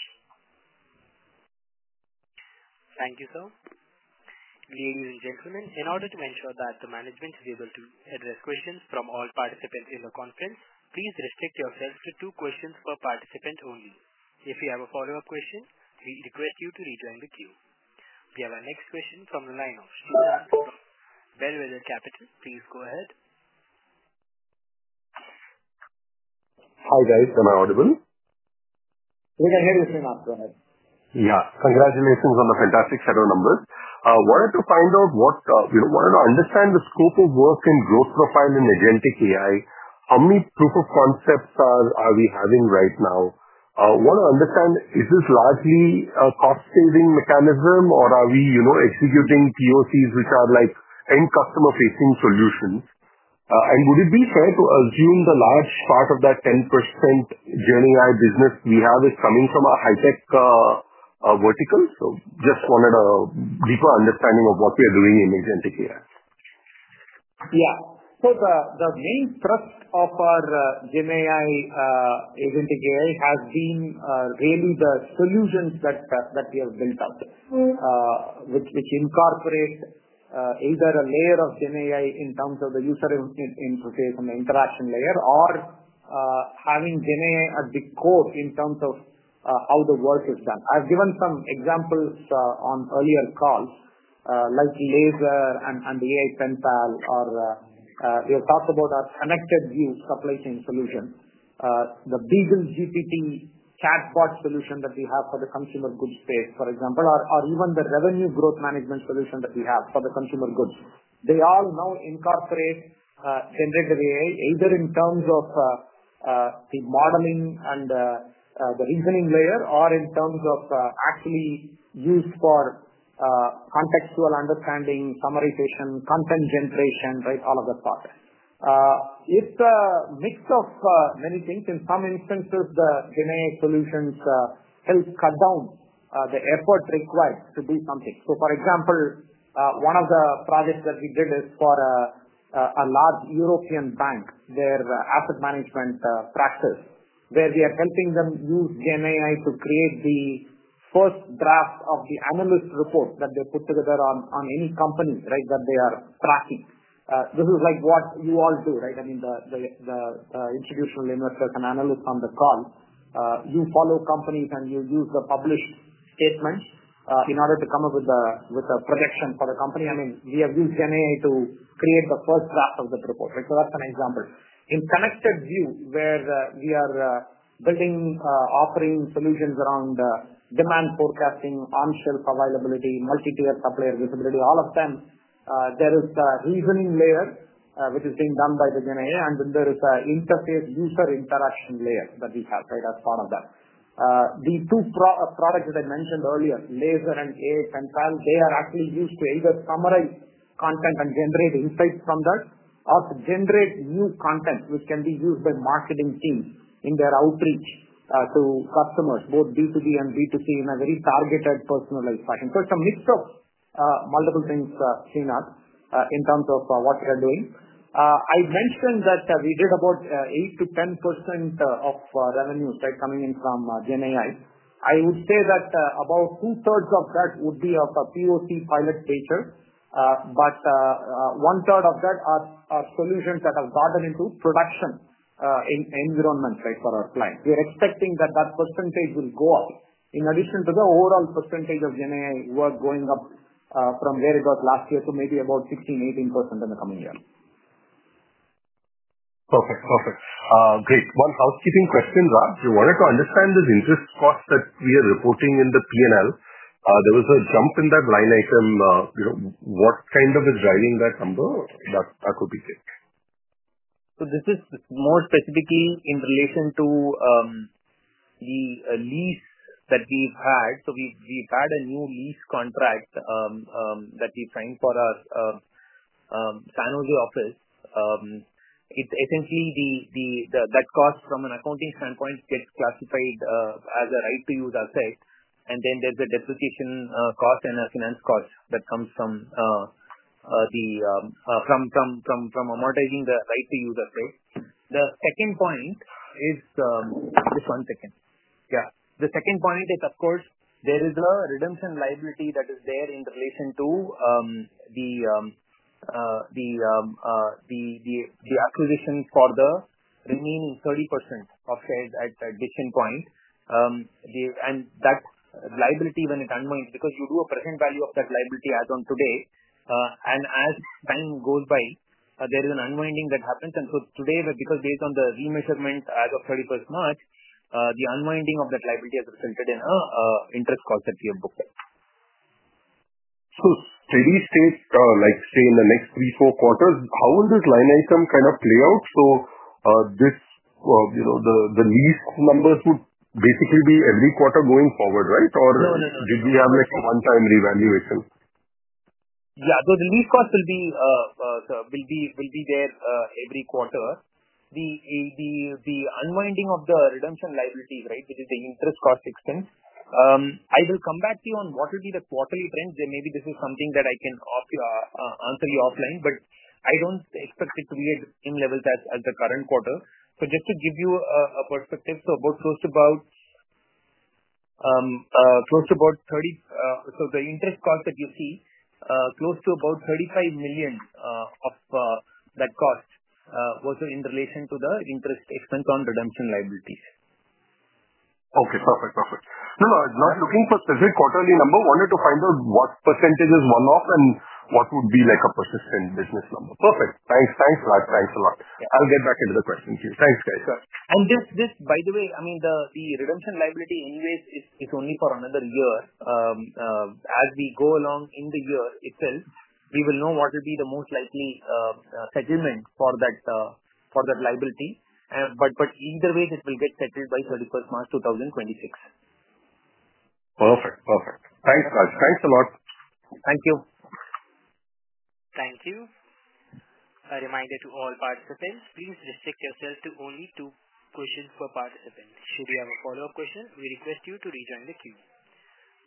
Thank you, sir. Ladies and gentlemen, in order to ensure that the management is able to address questions from all participants in the conference, please restrict yourself to two questions for participants only. If you have a follow-up question, we request you to rejoin the queue. We have our next question from the line of Srinath from Bellwether Capital. Please go ahead. Hi guys. Am I audible? We can hear you through now. Go ahead. Yeah. Congratulations on the fantastic shadow numbers. I wanted to find out what we wanted to understand the scope of work and growth profile in Agentic AI. How many proof of concepts are we having right now? I want to understand, is this largely a cost-saving mechanism, or are we executing POCs, which are end-customer-facing solutions? Would it be fair to assume the large part of that 10% GenAI business we have is coming from a high-tech vertical? Just wanted a deeper understanding of what we are doing in Agentic AI. Yeah. The main thrust of our GenAI Agentic AI has been really the solutions that we have built up, which incorporate either a layer of GenAI in terms of the user interface and the interaction layer, or having GenAI at the core in terms of how the work is done. I have given some examples on earlier calls, like Laser and the AI Penpal, or we have talked about our ConnectedView supply chain solution, the BeagleGPT chatbot solution that we have for the consumer goods space, for example, or even the Revenue Growth Management Solution that we have for the consumer goods. They all now incorporate generative AI, either in terms of the modeling and the reasoning layer, or in terms of actually used for contextual understanding, summarization, content generation, right all of that process. It is a mix of many things. In some instances, the GenAI solutions help cut down the effort required to do something. For example, one of the projects that we did is for a large European bank, their asset management practice, where we are helping them use GenAI to create the first draft of the analyst report that they put together on any company, right, that they are tracking. This is like what you all do, right? I mean, the institutional investors and analysts on the call you follow companies, and you use the published statements in order to come up with a prediction for the company. I mean, we have used GenAI to create the first draft of the report, right? That is an example. In Connected View, where we are building offering solutions around demand forecasting, on-shelf availability, multi-tier supplier visibility, all of them, there is a reasoning layer which is being done by the GenAI, and then there is an interface user interaction layer that we have, right, as part of that. The two products that I mentioned earlier, LASER and AI Penpal, they are actually used to either summarize content and generate insights from that or to generate new content, which can be used by marketing teams in their outreach to customers, both B2B and B2C, in a very targeted, personalized fashion. It is a mix of multiple things seen in terms of what we are doing. I mentioned that we did about 8%-10% of revenues, right, coming in from GenAI. I would say that about two-thirds of that would be of a POC pilot feature, but one-third of that are solutions that have gotten into production environment, right, for our clients. We are expecting that that percentage will go up in addition to the overall percentage of GenAI work going up from where it was last year, to maybe about 16%-18% in the coming year. Perfect. Perfect. Great. One housekeeping question, Raj. We wanted to understand the interest cost that we are reporting in the P&L. There was a jump in that line item. What kind of is driving that number? That would be great. This is more specifically in relation to the lease that we've had. We've had a new lease contract that we signed for our San Jose office. It's essentially that cost from an accounting standpoint gets classified as a right-to-use asset, and then there's a depreciation cost and a finance cost that comes from amortizing the right-to-use asset. The second point is just one second. Yeah. The second point is, of course, there is a redemption liability that is there in relation to the acquisition for the remaining 30% of shares at Decision Point. That liability, when it unwinds, because you do a present value of that liability as of today, and as time goes by, there is an unwinding that happens. Today, because based on the remeasurement as of 31st March, the unwinding of that liability has resulted in an interest cost that we have booked up. Steady state, say in the next three, four quarters, how will this line item kind of play out? The lease numbers would basically be every quarter going forward, right? Or did we have a one-time revaluation? Yeah. The lease cost will be there every quarter. The unwinding of the redemption liabilities, right, which is the interest cost extent, I will come back to you on what will be the quarterly trends. Maybe this is something that I can answer you offline, but I do not expect it to be at the same level as the current quarter. Just to give you a perspective, close to about 30, so the interest cost that you see, close to about $35 million of that cost was in relation to the interest expense on redemption liabilities. Okay. Perfect. Perfect. No, no. Not looking for specific quarterly number. Wanted to find out what % is one-off and what would be a persistent business number. Perfect. Thanks, Raj. Thanks a lot. I'll get back into the questions here. Thanks, guys. This, by the way, I mean, the redemption liability anyways is only for another year. As we go along in the year itself, we will know what will be the most likely settlement for that liability. Either way, it will get settled by 31st March 2026. Perfect. Perfect. Thanks, Raj. Thanks a lot. Thank you. Thank you. A reminder to all participants, please restrict yourself to only two questions per participant. Should you have a follow-up question, we request you to rejoin the queue.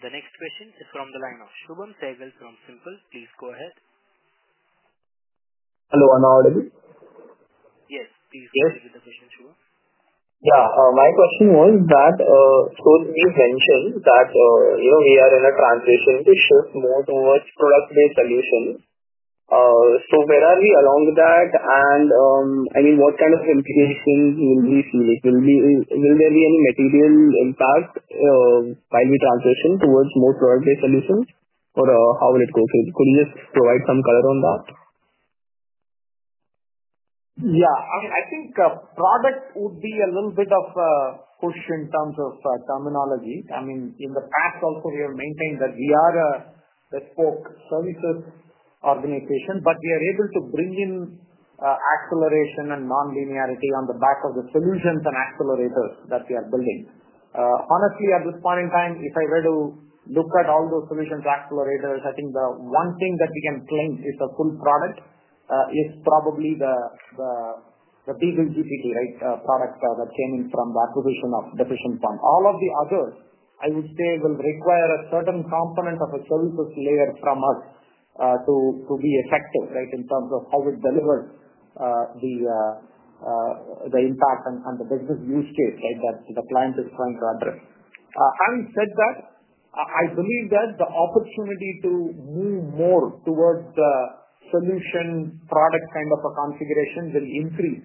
The next question is from the line of Shubham Sehgal from SiMPL. Please go ahead. Hello. Am I audible? Yes. Please go ahead with the question, Shubham. Yeah. My question was that, we mentioned that we are in a transition to shift more towards product-based solutions. Where are we along that? I mean, what kind of implications will we see? Will there be any material impact while we transition towards more product-based solutions, or how will it go? Could you just provide some color on that? Yeah. I mean, I think product would be a little bit of a push in terms of terminology. I mean, in the past, also we have maintained that we are a spoke services organization, but we are able to bring in acceleration and non-linearity on the back of the solutions and accelerators that we are building. Honestly, at this point in time, if I were to look at all those solutions accelerators, I think the one thing that we can claim is a full product is probably the BeagleGPT, right, product that came in from the acquisition of Decision Point. All of the others, I would say, will require a certain component of a services layer from us to be effective, right, in terms of how it delivers the impact and the business use case, right, that the client is trying to address. Having said that, I believe that the opportunity to move more towards the solution product kind of a configuration will increase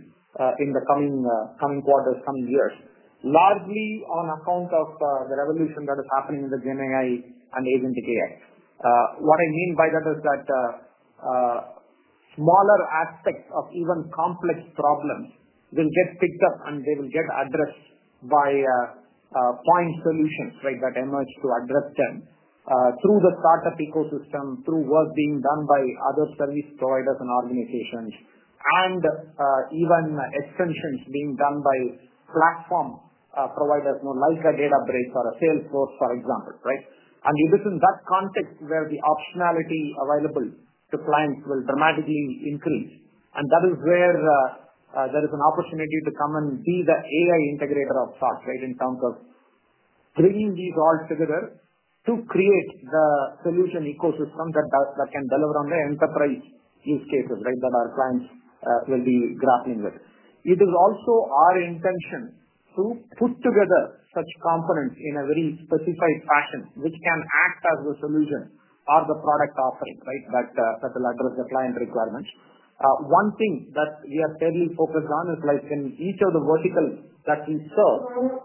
in the coming quarters, coming years, largely on account of the revolution that is happening in the GenAI and Agentic AI. What I mean by that is that smaller aspects of even complex problems will get picked up, and they will get addressed by point solutions, right, that emerge to address them through the startup ecosystem, through work being done by other service providers and organizations, and even extensions being done by platform providers like a Databricks or a Salesforce, for example, right? It is in that context where the optionality available to clients will dramatically increase. That is where there is an opportunity to come and be the AI integrator of sorts, right, in terms of bringing these all together to create the solution ecosystem that can deliver on the enterprise use cases, right, that our clients will be grappling with. It is also our intention to put together such components in a very specified fashion, which can act as the solution or the product offering, right, that will address the client requirements. One thing that we are fairly focused on is in each of the verticals that we serve,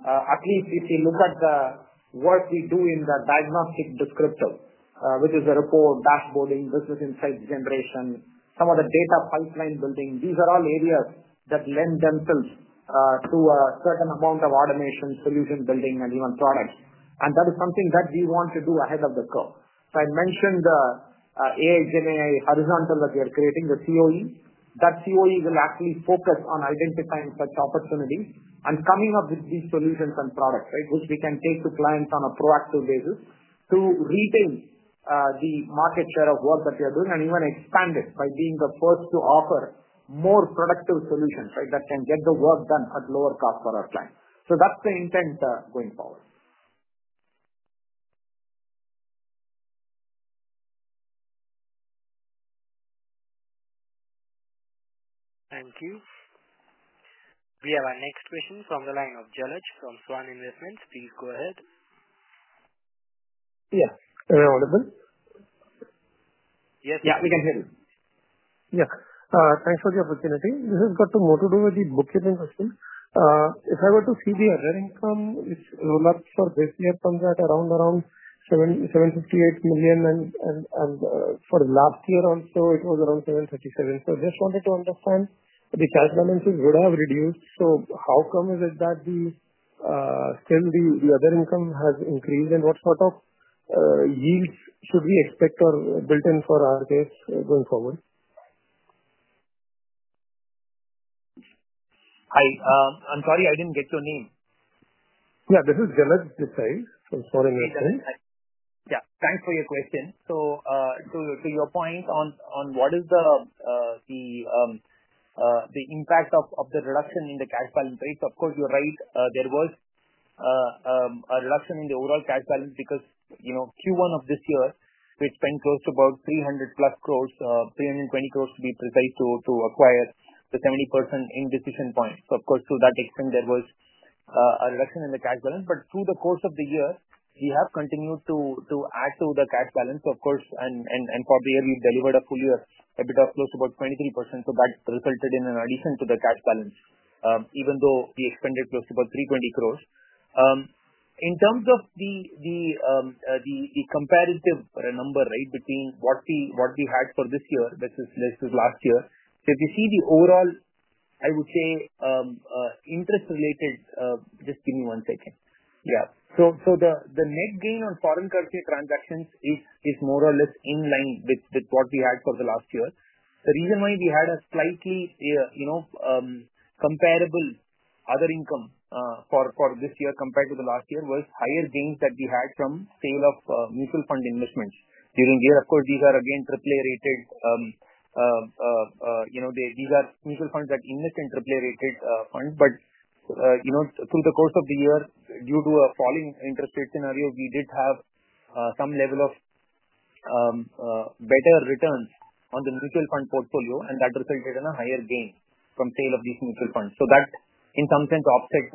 at least if you look at the work we do in the diagnostic descriptor, which is the report, dashboarding, business insights generation, some of the data pipeline building. These are all areas that lend themselves to a certain amount of automation, solution building, and even products. That is something that we want to do ahead of the curve. I mentioned the AI GenAI horizontal that we are creating, the COE. That COE will actually focus on identifying such opportunities and coming up with these solutions and products, right, which we can take to clients on a proactive basis to retain the market share of work that we are doing and even expand it by being the first to offer more productive solutions, right, that can get the work done at lower cost for our clients. That is the intent going forward. Thank you. We have our next question from the line of Jalaj from Svan Investments. Please go ahead. Yes. Am I audible? Yes. Yeah. We can hear you. Yeah. Thanks for the opportunity. This has got more to do with the bookkeeping question. If I were to see the arriving term, it rolled up for this year comes at around 758 million, and for last year also, it was around 737 million. I just wanted to understand the cash balances would have reduced. How come is it that still the other income has increased, and what sort of yields should we expect or build in for our case going forward? Hi. I'm sorry. I didn't get your name. Yeah. This is Jalaj Desai from Svan Investments. Yeah. Thanks for your question. To your point on what is the impact of the reduction in the cash balance, right? Of course, you're right. There was a reduction in the overall cash balance because Q1 of this year, we spent close to about 300-plus crores, 320 crores to be precise, to acquire the 70% in Decision Point. Of course, to that extent, there was a reduction in the cash balance. Through the course of the year, we have continued to add to the cash balance, of course, and for the year we have delivered a full year EBITDA of close to about 23%. That resulted in an addition to the cash balance, even though we expended close to about 320 crore. In terms of the comparative number, right, between what we had for this year versus last year, if you see the overall, I would say, interest-related—just give me one second. Yeah. The net gain on foreign currency transactions is more or less in line with what we had for last year. The reason why we had a slightly comparable other income for this year compared to last year was higher gains that we had from sale of mutual fund investments during the year. Of course, these are again AAA-rated. These are mutual funds that invest in AAA-rated funds. Through the course of the year, due to a falling interest rate scenario, we did have some level of better returns on the mutual fund portfolio, and that resulted in a higher gain from sale of these mutual funds. That, in some sense, offset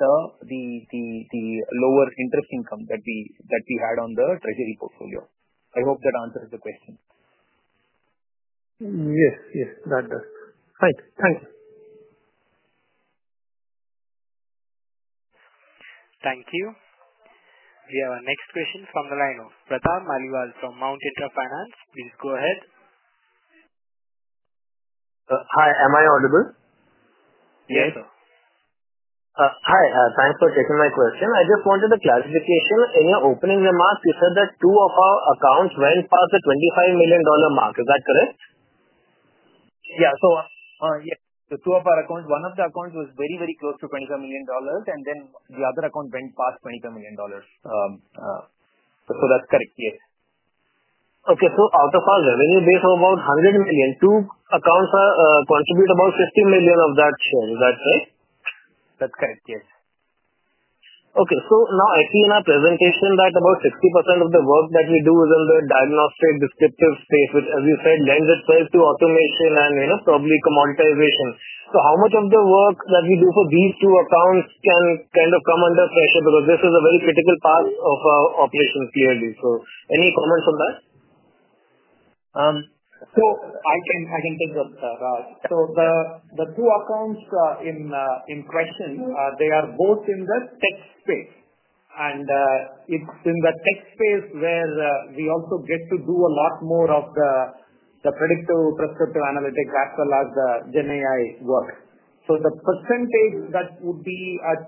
the lower interest income that we had on the treasury portfolio. I hope that answers the question. Yes. Yes. That does. Fine. Thank you. Thank you. We have our next question from the line of Pratap Maliwal from Mount Intra Finance. Please go ahead. Hi. Am I audible? Yes. Yes, sir. Hi. Thanks for taking my question. I just wanted a clarification. In your opening remarks, you said that two of our accounts went past the $25 million mark. Is that correct? Yeah. Yes. Two of our accounts, one of the accounts was very, very close to $25 million, and then the other account went past $25 million. That's correct. Yes. Out of our revenue base of about $100 million, two accounts contribute about $50 million of that share. Is that right? That's correct. Yes. I see in our presentation that about 60% of the work that we do is in the diagnostic descriptive space, which, as you said, lends itself to automation and probably commoditization. How much of the work that we do for these two accounts can kind of come under pressure because this is a very critical part of our operation, clearly? Any comments on that? I can take that, Raj. The two accounts in question they are both in the tech space. It's in the tech space where we also get to do a lot more of the predictive prescriptive analytics as well as the GenAI work. The percentage that would be at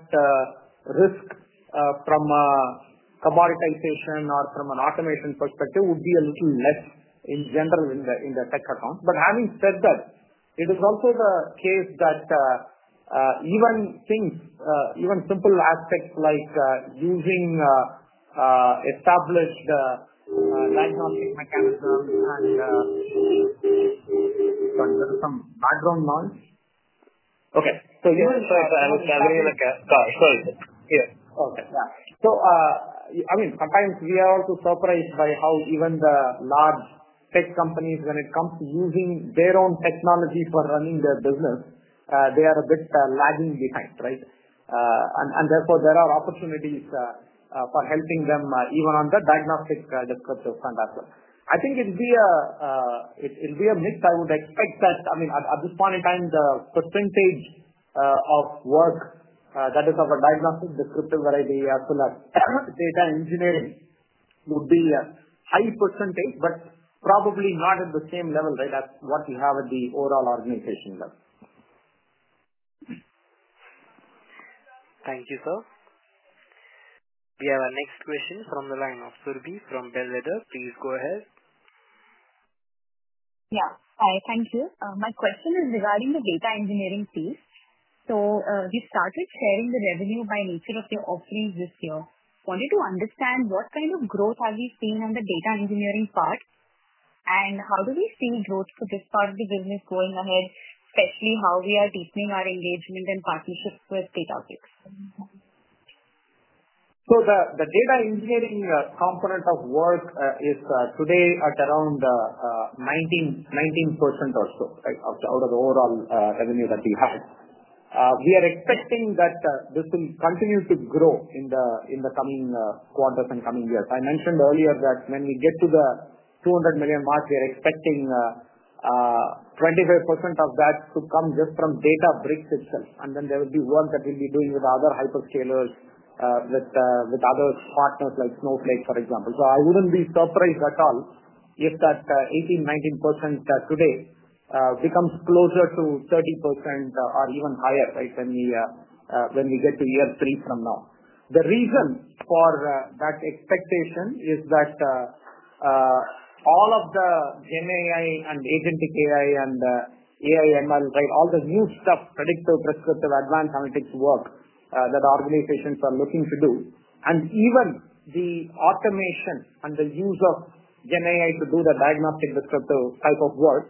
risk from a commoditization or from an automation perspective would be a little less in general in the tech accounts. Having said that, it is also the case that even simple aspects like using established diagnostic mechanisms and sorry, there is some background noise. Okay. Even if I was gathering in a car, sorry. Yes. Okay. Yeah. I mean, sometimes we are also surprised by how even the large tech companies, when it comes to using their own technology for running their business, they are a bit lagging behind, right? Therefore, there are opportunities for helping them even on the diagnostic descriptive front as well. I think it'll be a mix. I would expect that, I mean, at this point in time, the percentage of work that is of a diagnostic descriptive variety as well as data engineering would be a high percentage, but probably not at the same level, right, as what we have at the overall organization level. Thank you, sir. We have our next question from the line of Surbhi from Bellwether. Please go ahead. Yeah. Hi. Thank you. My question is regarding the data engineering piece. We started sharing the revenue by nature of the offerings this year. Wanted to understand what kind of growth have we seen on the data engineering part, and how do we see growth for this part of the business going ahead, especially how we are deepening our engagement and partnerships with Databricks? The data engineering component of work is today at around 19% or so, right, out of the overall revenue that we had. We are expecting that this will continue to grow in the coming quarters and coming years. I mentioned earlier that when we get to the $200 million mark, we are expecting 25% of that to come just from Databricks itself. There will be work that we'll be doing with other hyperscalers, with other partners like Snowflake, for example. I wouldn't be surprised at all if that 18%-19% today becomes closer to 30% or even higher, right, when we get to year three from now. The reason for that expectation is that all of the GenAI and Agentic AI and AI/ML, right, all the new stuff, predictive, prescriptive, advanced analytics work that organizations are looking to do, and even the automation and the use of GenAI to do the diagnostic descriptive type of work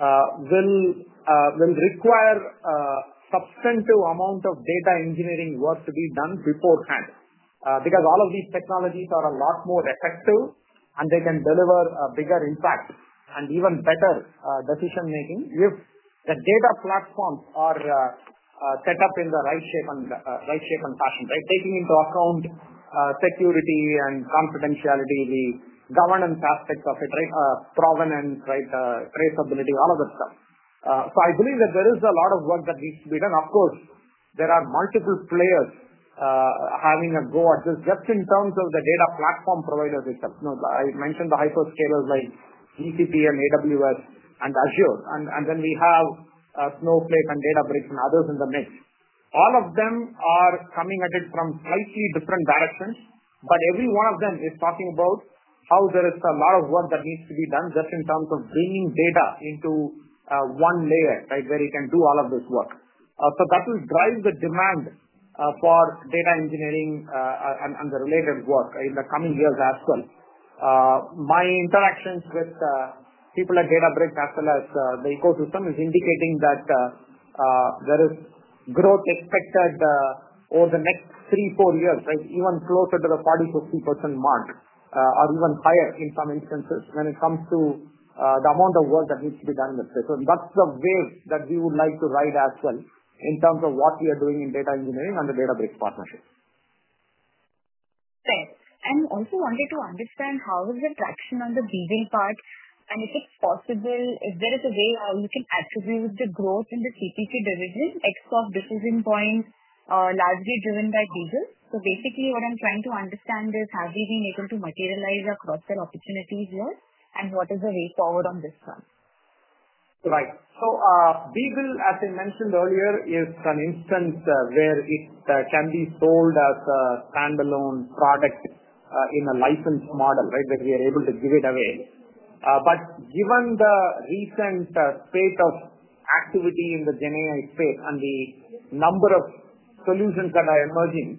will require a substantive amount of data engineering work to be done beforehand because all of these technologies are a lot more effective, and they can deliver a bigger impact and even better decision-making if the data platforms are set up in the right shape and fashion, right, taking into account security and confidentiality, the governance aspects of it, right, provenance, right, traceability, all of that stuff. I believe that there is a lot of work that needs to be done. Of course, there are multiple players having a go at this just in terms of the data platform providers itself. I mentioned the hyperscalers like GCP and AWS and Azure. Then we have Snowflake and Databricks and others in the mix. All of them are coming at it from slightly different directions, but every one of them is talking about how there is a lot of work that needs to be done just in terms of bringing data into one layer, right, where you can do all of this work. That will drive the demand for data engineering and the related work in the coming years as well. My interactions with people at Databricks, as well as the ecosystem is indicating that there is growth expected over the next three, four years, right, even closer to the 40%-50% mark or even higher in some instances, when it comes to the amount of work that needs to be done in the space. That is the wave that we would like to ride as well in terms of what we are doing in data engineering under Databricks partnership. Fair. I also wanted to understand how is the traction on the Beagle part, and if it's possible, if there is a way how you can attribute the growth in the CPG division export Decision Point largely driven by Beagle. Basically, what I'm trying to understand is, have we been able to materialize our cross-sell opportunities here, and what is the way forward on this front? Right. Beagle, as I mentioned earlier, is an instance where it can be sold as a standalone product in a licensed model, right, where we are able to give it away. Given the recent state of activity in the GenAI space and the number of solutions that are emerging,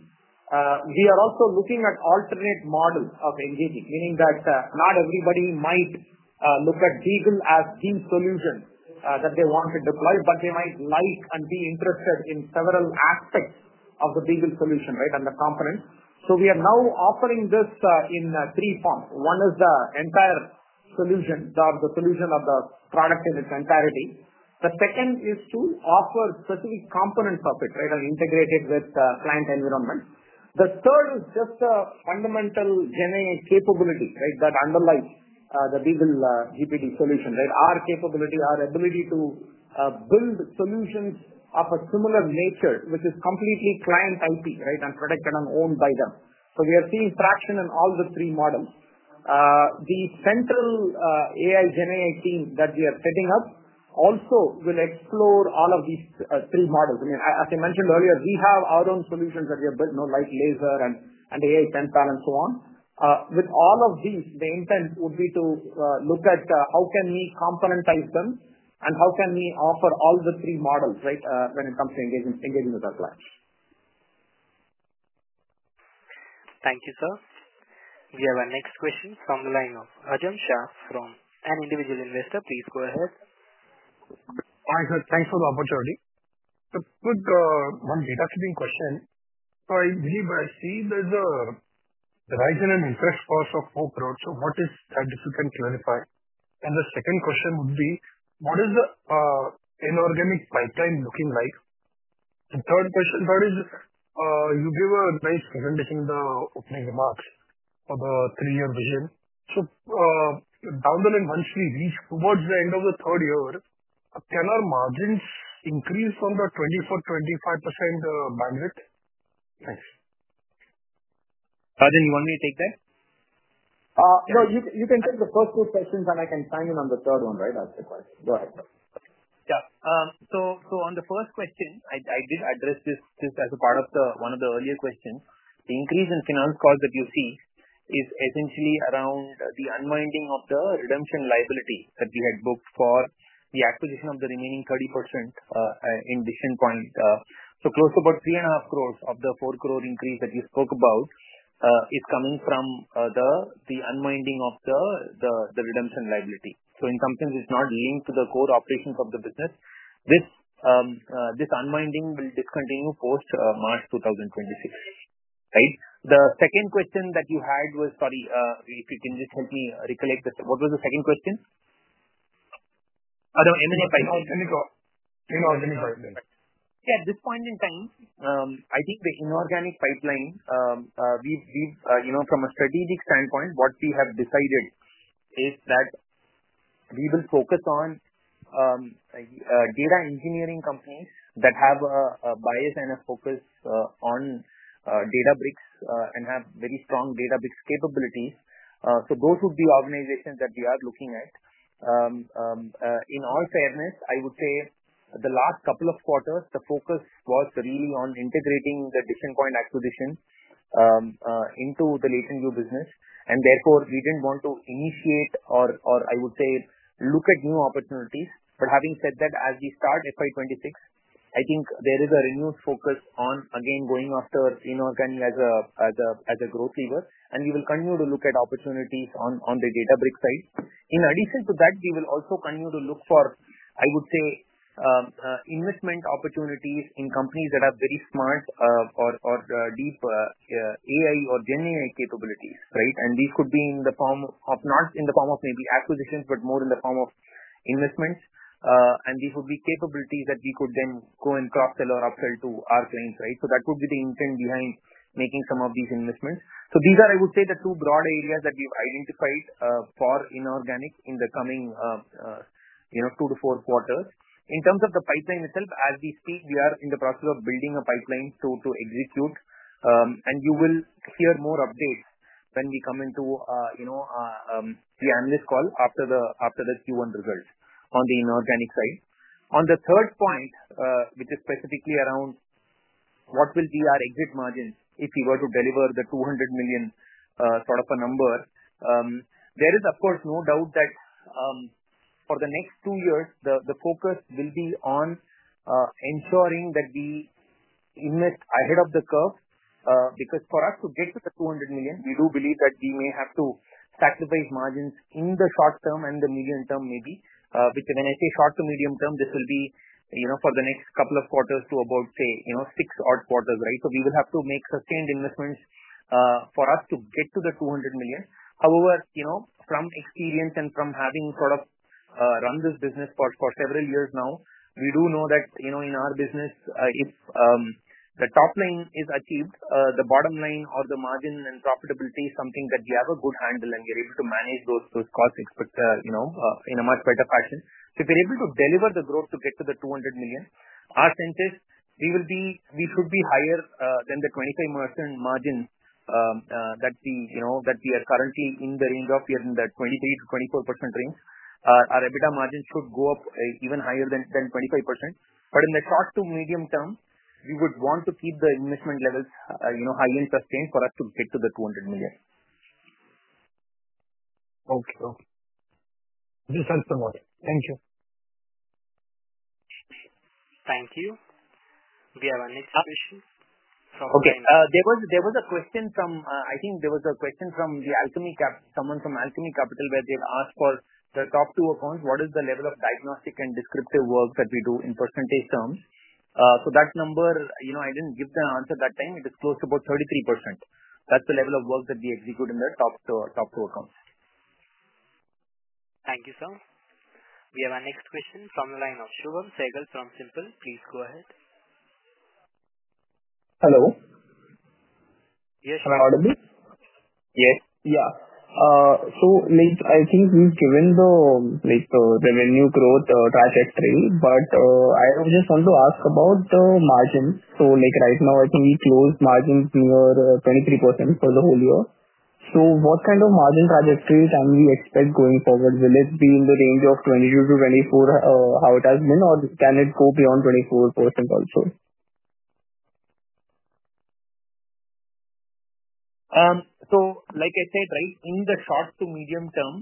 we are also looking at alternate models of engaging, meaning that not everybody might look at Beagle as the solution that they want to deploy, but they might like and be interested in several aspects of the Beagle solution, right, and the components. We are now offering this in three forms. One is the entire solution, the solution of the product in its entirety. The second is to offer specific components of it, right, and integrate it with client environment. The third is just a fundamental GenAI capability, right, that underlies the BeagleGPT solution, right, our capability, our ability to build solutions of a similar nature, which is completely client IP, right, and protected and owned by them. We are seeing traction in all the three models. The central AI GenAI team that we are setting up also will explore all of these three models. I mean, as I mentioned earlier, we have our own solutions that we have built, like LASER and AI Penpal, and so on. With all of these, the intent would be to look at how can we componentize them and how can we offer all the three models, right, when it comes to engaging with our clients. Thank you, sir. We have our next question from the line of Rajam Shah, an individual investor. Please go ahead. Hi, sir. Thanks for the opportunity. Quick, one data keeping question. I believe I see there is a horizon and interest cost of 4 crore. What is that if you can clarify? The second question would be, what is the inorganic pipeline looking like? The third question, you gave a nice presentation in the opening remarks for the three-year vision. Down the line, once we reach towards the end of the third year, can our margins increase from the 24%-25% bandwidth? Thanks. Rajan, you want me to take that? No, you can take the first two questions, and I can chime in on the third one, right, as required. Go ahead. Yeah. On the first question, I did address this as a part of one of the earlier questions. The increase in finance cost that you see is essentially around the unwinding of the redemption liability that we had booked for the acquisition of the remaining 30% in Decision Point. Close to about 3.5 crore of the 4 crore increase that you spoke about is coming from the unwinding of the redemption liability. In some sense, it's not linked to the core operations of the business. This unwinding will discontinue post-March 2026, right? The second question that you had was, sorry, if you can just help me recollect this. What was the second question? Oh, no. M&A pipeline. No, let me go. No, let me go. Yeah. At this point in time, I think the inorganic pipeline, from a strategic standpoint, what we have decided is that we will focus on data engineering companies that have a bias and a focus on Databricks and have very strong Databricks capabilities. Those would be organizations that we are looking at. In all fairness, I would say the last couple of quarters, the focus was really on integrating the Decision Point acquisition into the LatentView business. Therefore, we did not want to initiate or, I would say, look at new opportunities. Having said that, as we start FY2026, I think there is a renewed focus on, again, going after inorganic as a growth lever. We will continue to look at opportunities on the Databricks side. In addition to that, we will also continue to look for, I would say, investment opportunities in companies that have very smart or deep AI or GenAI capabilities, right? These could be in the form of not in the form of maybe acquisitions, but more in the form of investments. These would be capabilities that we could then go and cross-sell or upsell to our clients, right? That would be the intent behind making some of these investments. These are, I would say, the two broad areas that we've identified for inorganic in the coming two to four quarters. In terms of the pipeline itself, as we speak, we are in the process of building a pipeline to execute. You will hear more updates when we come into the analyst call after the Q1 results on the inorganic side. On the third point, which is specifically around what will be our exit margin if we were to deliver the $200 million sort of a number, there is, of course, no doubt that for the next two years, the focus will be on ensuring that we invest ahead of the curve because for us to get to the $200 million, we do believe that we may have to sacrifice margins in the short term and the medium term maybe. Which, when I say short to medium term, this will be for the next couple of quarters to about, say, six odd quarters, right? We will have to make sustained investments for us to get to the $200 million. However, from experience and from having sort of run this business for several years now, we do know that in our business, if the top line is achieved, the bottom line or the margin and profitability is something that we have a good handle and we are able to manage those costs in a much better fashion. If we're able to deliver the growth to get to the $200 million, our sense is we should be higher than the 25% margin that we are currently in the 23%-24% range. Our EBITDA margin should go up even higher than 25%. In the short to medium term, we would want to keep the investment levels high and sustained for us to get to the $200 million. Okay. This helps a lot. Thank you. Thank you. We have our next question from the line. Okay. There was a question from, I think there was a question from Alchemy Capital, someone from Alchemy Capital, where they've asked for their top two accounts, what is the level of diagnostic and descriptive work that we do in percentage terms? That number, I didn't give the answer that time. It is close to about 33%. That's the level of work that we execute in the top two accounts. Thank you, sir. We have our next question from the line of Shubham Sehgal from SiMPL. Please go ahead. Hello. Yes, Shubham. Hello to me. Yes. Yeah. I think we've given the revenue growth trajectory, but I just want to ask about the margins. Right now, I think we closed margins near 23% for the whole year. What kind of margin trajectory can we expect going forward? Will it be in the range of 22-24% how it has been, or can it go beyond 24% also? Like I said, right, in the short to medium term,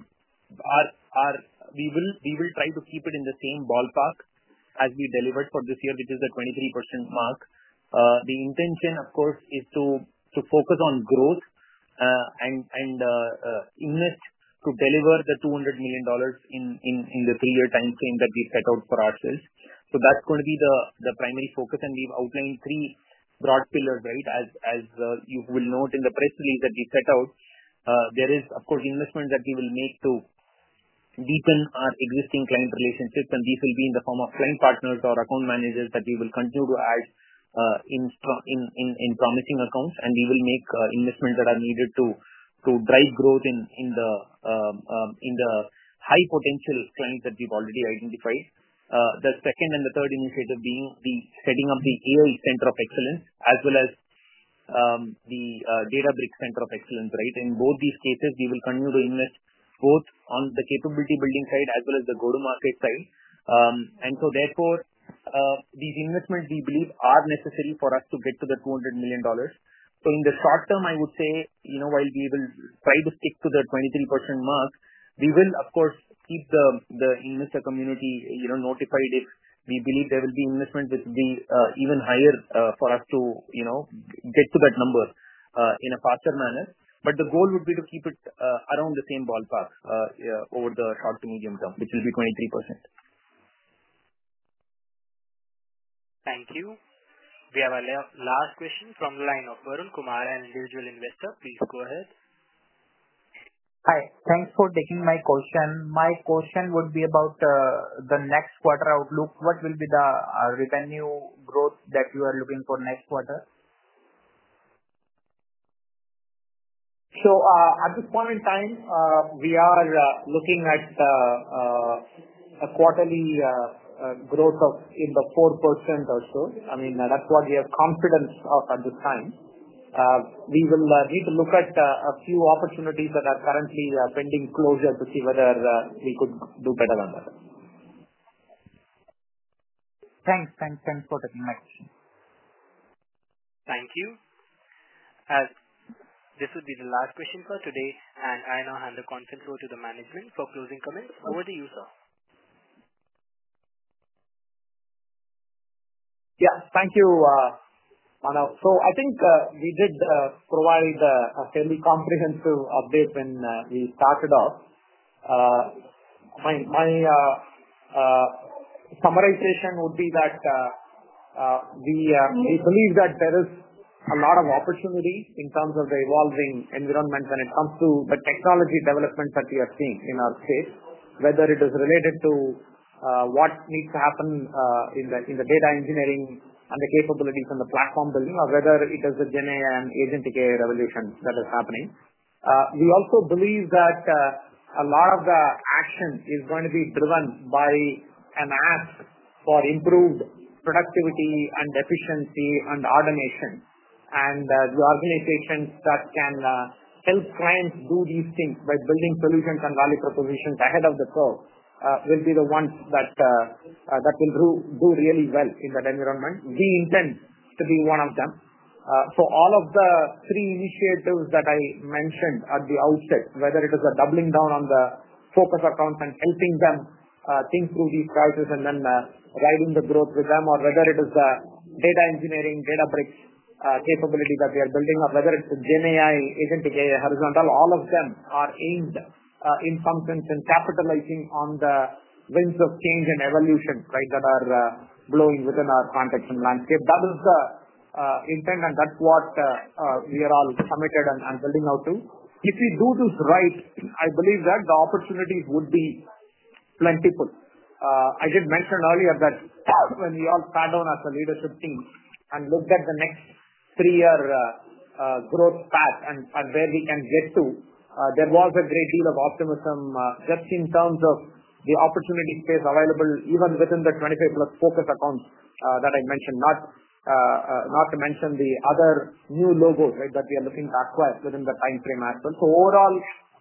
we will try to keep it in the same ballpark as we delivered for this year, which is the 23% mark. The intention, of course, is to focus on growth and invest to deliver the $200 million in the three-year timeframe that we set out for ourselves. That is going to be the primary focus. We have outlined three broad pillars, right? As you will note in the press release that we set out, there is, of course, investment that we will make to deepen our existing client relationships. These will be in the form of client partners or account managers that we will continue to add in promising accounts. We will make investments that are needed to drive growth in the high-potential clients that we've already identified. The second and the third initiative being the setting up the AI Center of Excellence as well as the Databricks Center of Excellence, right? In both these cases, we will continue to invest both on the capability building side as well as the go-to-market side. Therefore, these investments we believe are necessary for us to get to the $200 million. In the short term, I would say, while we will try to stick to the 23% mark, we will, of course, keep the investor community notified if we believe there will be investment which will be even higher for us to get to that number in a faster manner. But the goal would be to keep it around the same ballpark over the short to medium term, which will be 23%. Thank you. We have our last question from the line of Varun Kumar, an individual investor. Please go ahead. Hi. Thanks for taking my question. My question would be about the next quarter outlook. What will be the revenue growth that you are looking for next quarter? At this point in time, we are looking at a quarterly growth of in the 4% or so. I mean, that's what we have confidence of at this time. We will need to look at a few opportunities that are currently pending closure to see whether we could do better than that. Thanks. Thanks. Thanks for taking my question. Thank you. This will be the last question for today. I now hand the conference over to the management for closing comments. Over to you, sir. Yeah. Thank you, Manav. I think we did provide a fairly comprehensive update when we started off. My summarization would be that we believe that there is a lot of opportunity in terms of the evolving environment when it comes to the technology developments that we are seeing in our state, whether it is related to what needs to happen in the data engineering and the capabilities and the platform building, or whether it is the GenAI and agentic AI revolution that is happening. We also believe that a lot of the action is going to be driven by an ask for improved productivity and efficiency and automation. The organizations that can help clients do these things by building solutions and value propositions ahead of the curve will be the ones that will do really well in that environment. We intend to be one of them. All of the three initiatives that I mentioned at the outset, whether it is a doubling down on the focus accounts and helping them think through these crises and then driving the growth with them, whether it is the data engineering, Databricks capability that we are building, or whether it's the GenAI, agentic AI, horizontal, all of them are aimed in some sense at capitalizing on the winds of change and evolution, right, that are blowing within our context and landscape. That is the intent, and that's what we are all committed and building out to. If we do this right, I believe that the opportunities would be plentiful. I did mention earlier that when we all sat down as a leadership team and looked at the next three-year growth path and where we can get to, there was a great deal of optimism just in terms of the opportunity space available even within the 25-plus focus accounts that I mentioned, not to mention the other new logos, right, that we are looking to acquire within the timeframe as well. Overall,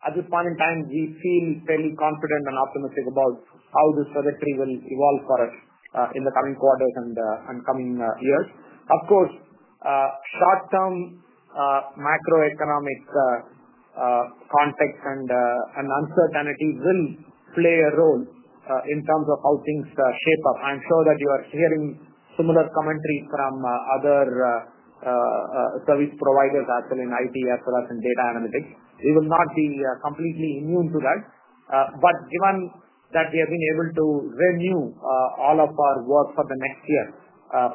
at this point in time, we feel fairly confident and optimistic about how this trajectory will evolve for us in the coming quarters and coming years. Of course, short-term macroeconomic context and uncertainty will play a role in terms of how things shape up. I'm sure that you are hearing similar commentary from other service providers as well in IT as well as in data analytics. We will not be completely immune to that. Given that we have been able to renew all of our work for the next year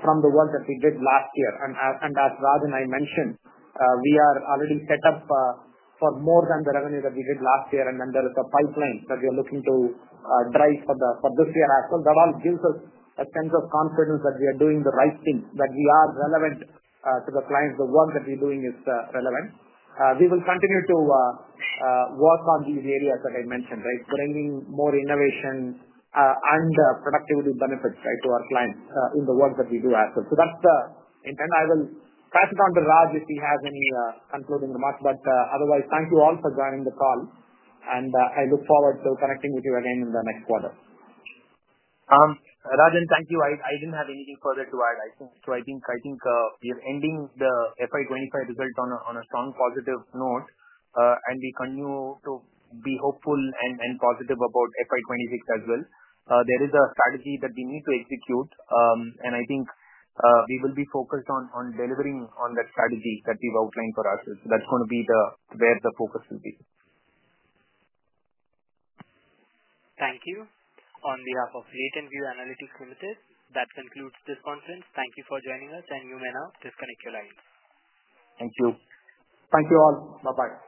from the work that we did last year, and as Raj and I mentioned, we are already set up for more than the revenue that we did last year. There is a pipeline that we are looking to drive for this year as well. That all gives us a sense of confidence that we are doing the right thing, that we are relevant to the clients. The work that we're doing is relevant. We will continue to work on these areas that I mentioned, bringing more innovation and productivity benefits to our clients in the work that we do as well. That is the intent. I will pass it on to Raj if he has any concluding remarks. Otherwise, thank you all for joining the call. I look forward to connecting with you again in the next quarter. Rajan, thank you. I did not have anything further to add. I think we are ending the FY25 result on a strong positive note. We continue to be hopeful and positive about FY26 as well. There is a strategy that we need to execute. I think we will be focused on delivering on that strategy that we have outlined for us. That is going to be where the focus will be. Thank you. On behalf of LatentView Analytics Limited, that concludes this conference. Thank you for joining us. You may now disconnect your lines. Thank you. Thank you all. Bye-bye.